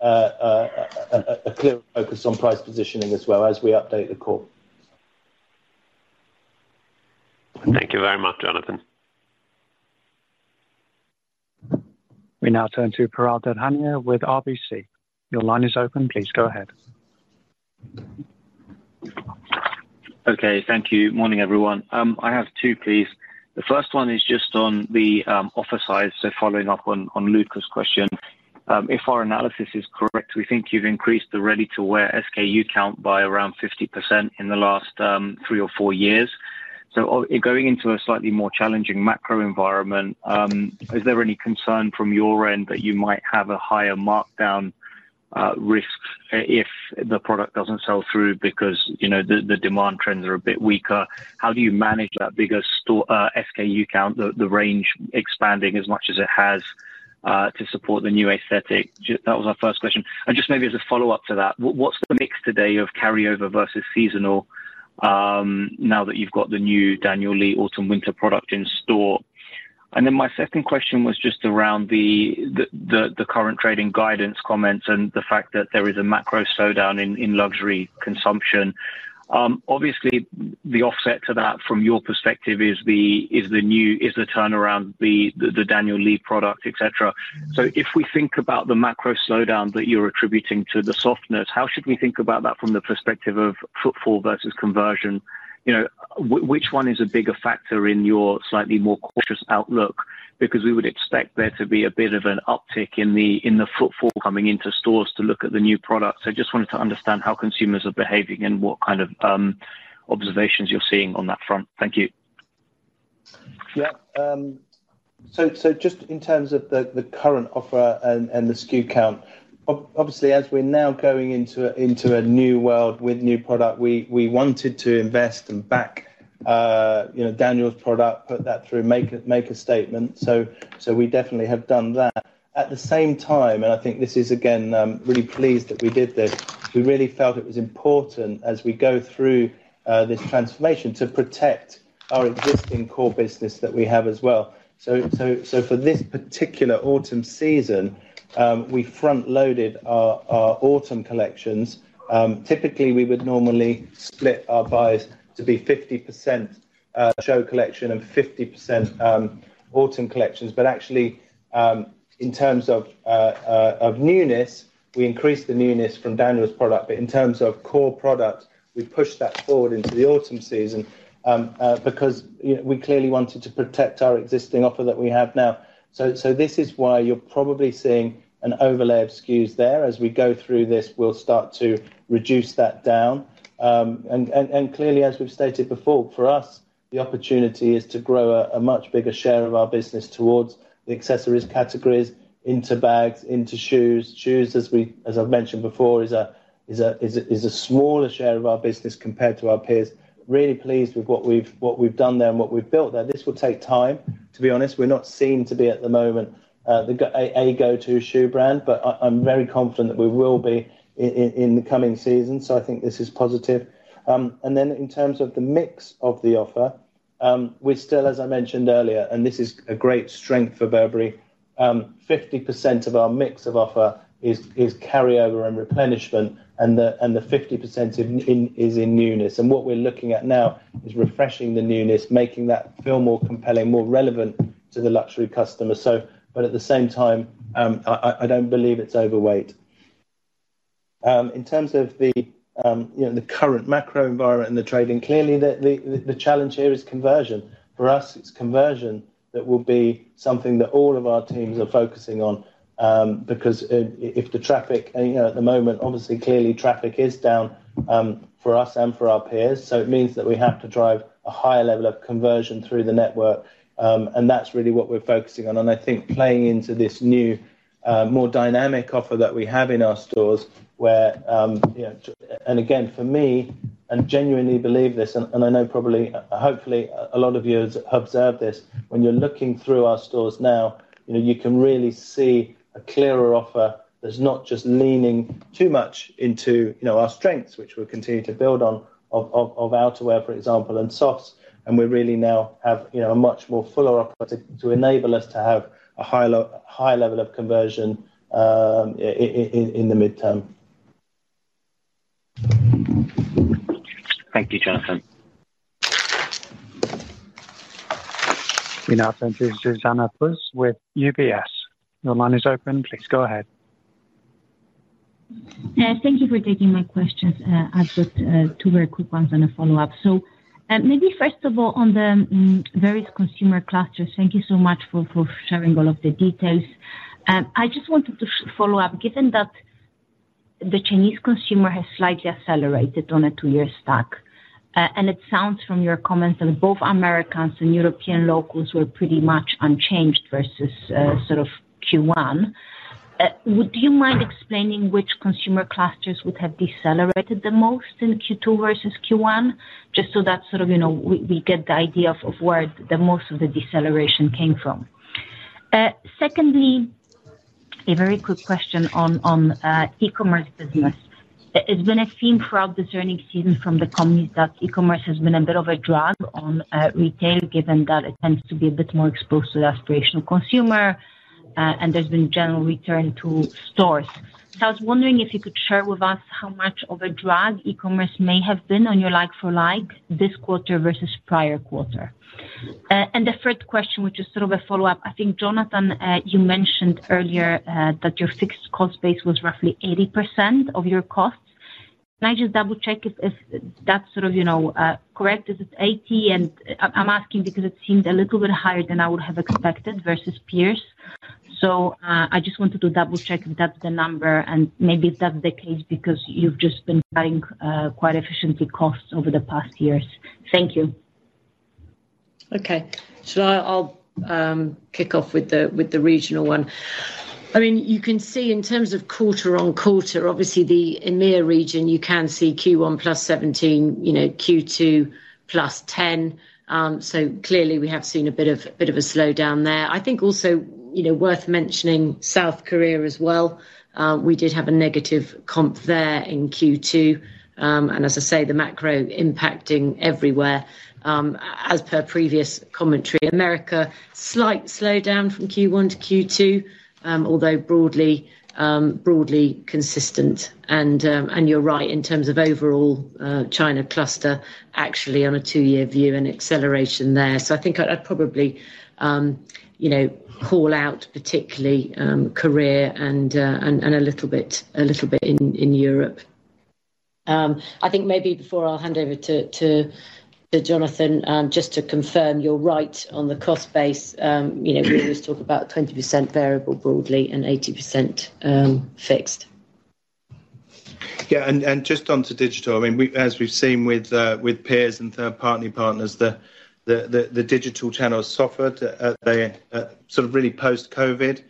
[SPEAKER 2] a clear focus on price positioning as well as we update the core.
[SPEAKER 11] Thank you very much, Jonathan.
[SPEAKER 1] We now turn to Piral Dadhania with RBC. Your line is open, please go ahead.
[SPEAKER 12] Okay, thank you. Morning, everyone. I have two, please. The first one is just on the offer size, so following up on Luca's question. If our analysis is correct, we think you've increased the ready-to-wear SKU count by around 50% in the last three or four years. So, going into a slightly more challenging macro environment, is there any concern from your end that you might have a higher markdown risk if the product doesn't sell through because, you know, the demand trends are a bit weaker? How do you manage that bigger store SKU count, the range expanding as much as it has to support the new aesthetic? That was our first question. And just maybe as a follow-up to that, what's the mix today of carryover versus seasonal, now that you've got the new Daniel Lee Autumn/Winter product in store? And then my second question was just around the current trading guidance comments and the fact that there is a macro slowdown in luxury consumption. Obviously, the offset to that, from your perspective, is the new- is the turnaround, the Daniel Lee product, et cetera. So if we think about the macro slowdown that you're attributing to the softness, how should we think about that from the perspective of footfall versus conversion? You know, which one is a bigger factor in your slightly more cautious outlook? Because we would expect there to be a bit of an uptick in the footfall coming into stores to look at the new product. So just wanted to understand how consumers are behaving and what kind of observations you're seeing on that front. Thank you.
[SPEAKER 2] Yeah, so just in terms of the current offer and the SKU count, obviously, as we're now going into a new world with new product, we wanted to invest and back, you know, Daniel's product, put that through, make a statement. So we definitely have done that. At the same time, and I think this is, again, really pleased that we did this, we really felt it was important as we go through this transformation, to protect our existing core business that we have as well. So for this particular autumn season, we front-loaded our autumn collections. Typically, we would normally split our buys to be 50% show collection and 50% autumn collections. But actually, in terms of newness, we increased the newness from Daniel's product, but in terms of core product, we pushed that forward into the autumn season, because, you know, we clearly wanted to protect our existing offer that we have now. So this is why you're probably seeing an overlay of SKUs there. As we go through this, we'll start to reduce that down. And clearly, as we've stated before, for us, the opportunity is to grow a much bigger share of our business towards the accessories categories, into bags, into shoes. Shoes, as I've mentioned before, is a smaller share of our business compared to our peers. Really pleased with what we've done there and what we've built there. This will take time, to be honest. We're not seen to be, at the moment, the go-to shoe brand, but I'm very confident that we will be in the coming season, so I think this is positive. And then in terms of the mix of the offer, we're still, as I mentioned earlier, and this is a great strength for Burberry, 50% of our mix of offer is carryover and replenishment, and the 50% in is in newness. And what we're looking at now is refreshing the newness, making that feel more compelling, more relevant to the luxury customer, but at the same time, I don't believe it's overweight. In terms of you know, the current macro environment and the trading, clearly the challenge here is conversion. For us, it's conversion that will be something that all of our teams are focusing on, because if the traffic, and you know, at the moment, obviously, clearly traffic is down, for us and for our peers, so it means that we have to drive a higher level of conversion through the network. And that's really what we're focusing on, and I think playing into this new, more dynamic offer that we have in our stores where you know... And again, for me, I genuinely believe this, and I know probably, hopefully, a lot of you have observed this. When you're looking through our stores now, you know, you can really see a clearer offer that's not just leaning too much into, you know, our strengths, which we'll continue to build on, of outerwear, for example, and softs, and we really now have, you know, a much more fuller opportunity to enable us to have a higher high level of conversion, in the midterm.
[SPEAKER 12] Thank you, Jonathan.
[SPEAKER 1] We now turn to Zuzanna Pusz with UBS. Your line is open, please go ahead.
[SPEAKER 13] Thank you for taking my questions. I've got two very quick ones and a follow-up. So, maybe first of all, on the various consumer clusters, thank you so much for sharing all of the details. I just wanted to follow up, given that the Chinese consumer has slightly accelerated on a two-year stack, and it sounds from your comments that both Americans and European locals were pretty much unchanged versus sort of Q1. Would you mind explaining which consumer clusters would have decelerated the most in Q2 versus Q1? Just so that sort of, you know, we get the idea of where the most of the deceleration came from. Secondly, a very quick question on e-commerce business. It's been a theme throughout the turning season from the company that e-commerce has been a bit of a drag on retail, given that it tends to be a bit more exposed to the aspirational consumer, and there's been general return to stores. So I was wondering if you could share with us how much of a drag e-commerce may have been on your like-for-like this quarter versus prior quarter. And the third question, which is sort of a follow-up, I think, Jonathan, you mentioned earlier that your fixed cost base was roughly 80% of your costs. Can I just double-check if that's sort of, you know, correct, is it eighty? And I'm asking because it seems a little bit higher than I would have expected versus peers. So, I just wanted to double-check if that's the number and maybe if that's the case, because you've just been cutting quite efficiently costs over the past years. Thank you.
[SPEAKER 3] Okay. So I'll kick off with the regional one. I mean, you can see in terms of quarter-on-quarter, obviously, the EMEA region, you can see Q1 +17, you know, Q2 +10. So clearly, we have seen a bit of a slowdown there. I think also, you know, worth mentioning South Korea as well. We did have a negative comp there in Q2. And as I say, the macro impacting everywhere, as per previous commentary. America, slight slowdown from Q1 to Q2, although broadly consistent. And you're right, in terms of overall, China cluster, actually on a two-year view, an acceleration there. So I think I'd probably, you know, call out particularly, Korea and a little bit in Europe. I think maybe before I'll hand over to Jonathan, just to confirm, you're right on the cost base. You know, we always talk about 20% variable broadly and 80% fixed.
[SPEAKER 2] Yeah, and just onto digital, I mean, we as we've seen with peers and third-party partners, the digital channel suffered, they sort of really post-COVID,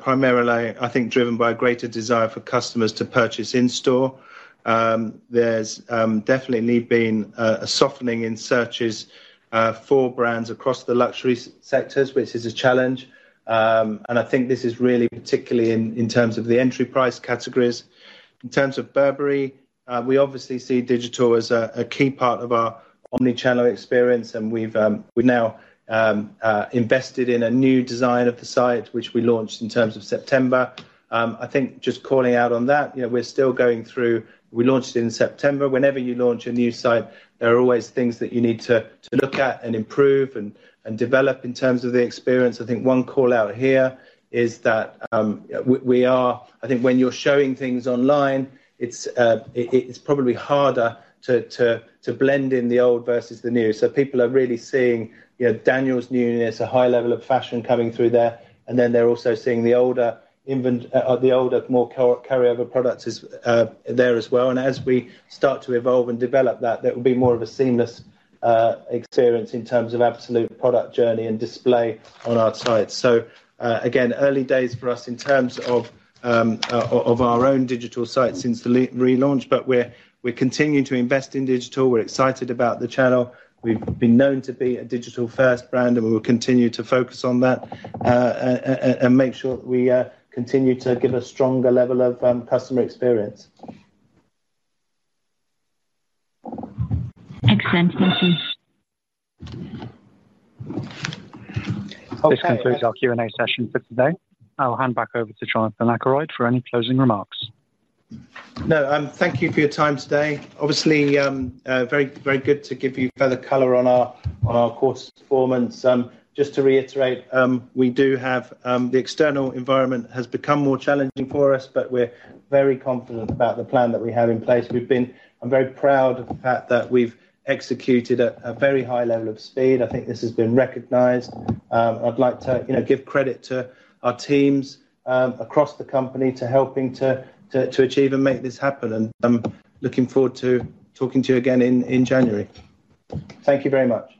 [SPEAKER 2] primarily, I think, driven by a greater desire for customers to purchase in store. There's definitely been a softening in searches for brands across the luxury sectors, which is a challenge. And I think this is really particularly in terms of the entry price categories. In terms of Burberry, we obviously see digital as a key part of our omni-channel experience, and we've now invested in a new design of the site, which we launched in terms of September. I think just calling out on that, you know, we're still going through... We launched in September. Whenever you launch a new site, there are always things that you need to look at and improve and develop in terms of the experience. I think one call-out here is that I think when you're showing things online, it's harder to blend in the old versus the new. So people are really seeing, you know, Daniel's newness, a high level of fashion coming through there, and then they're also seeing the older, more carryover products there as well. And as we start to evolve and develop that, there will be more of a seamless experience in terms of absolute product journey and display on our site. So, again, early days for us in terms of our own digital site since the re-launch, but we're continuing to invest in digital. We're excited about the channel. We've been known to be a digital-first brand, and we will continue to focus on that and make sure that we continue to give a stronger level of customer experience.
[SPEAKER 13] Excellent, thank you.
[SPEAKER 1] This concludes our Q&A session for today. I'll hand back over to Jonathan Akeroyd for any closing remarks.
[SPEAKER 2] No, thank you for your time today. Obviously, very, very good to give you further color on our, on our quarter's performance. Just to reiterate, we do have, the external environment has become more challenging for us, but we're very confident about the plan that we have in place. We've been, I'm very proud of the fact that we've executed at a very high level of speed. I think this has been recognized. I'd like to, you know, give credit to our teams, across the company to helping to achieve and make this happen, and I'm looking forward to talking to you again in January. Thank you very much.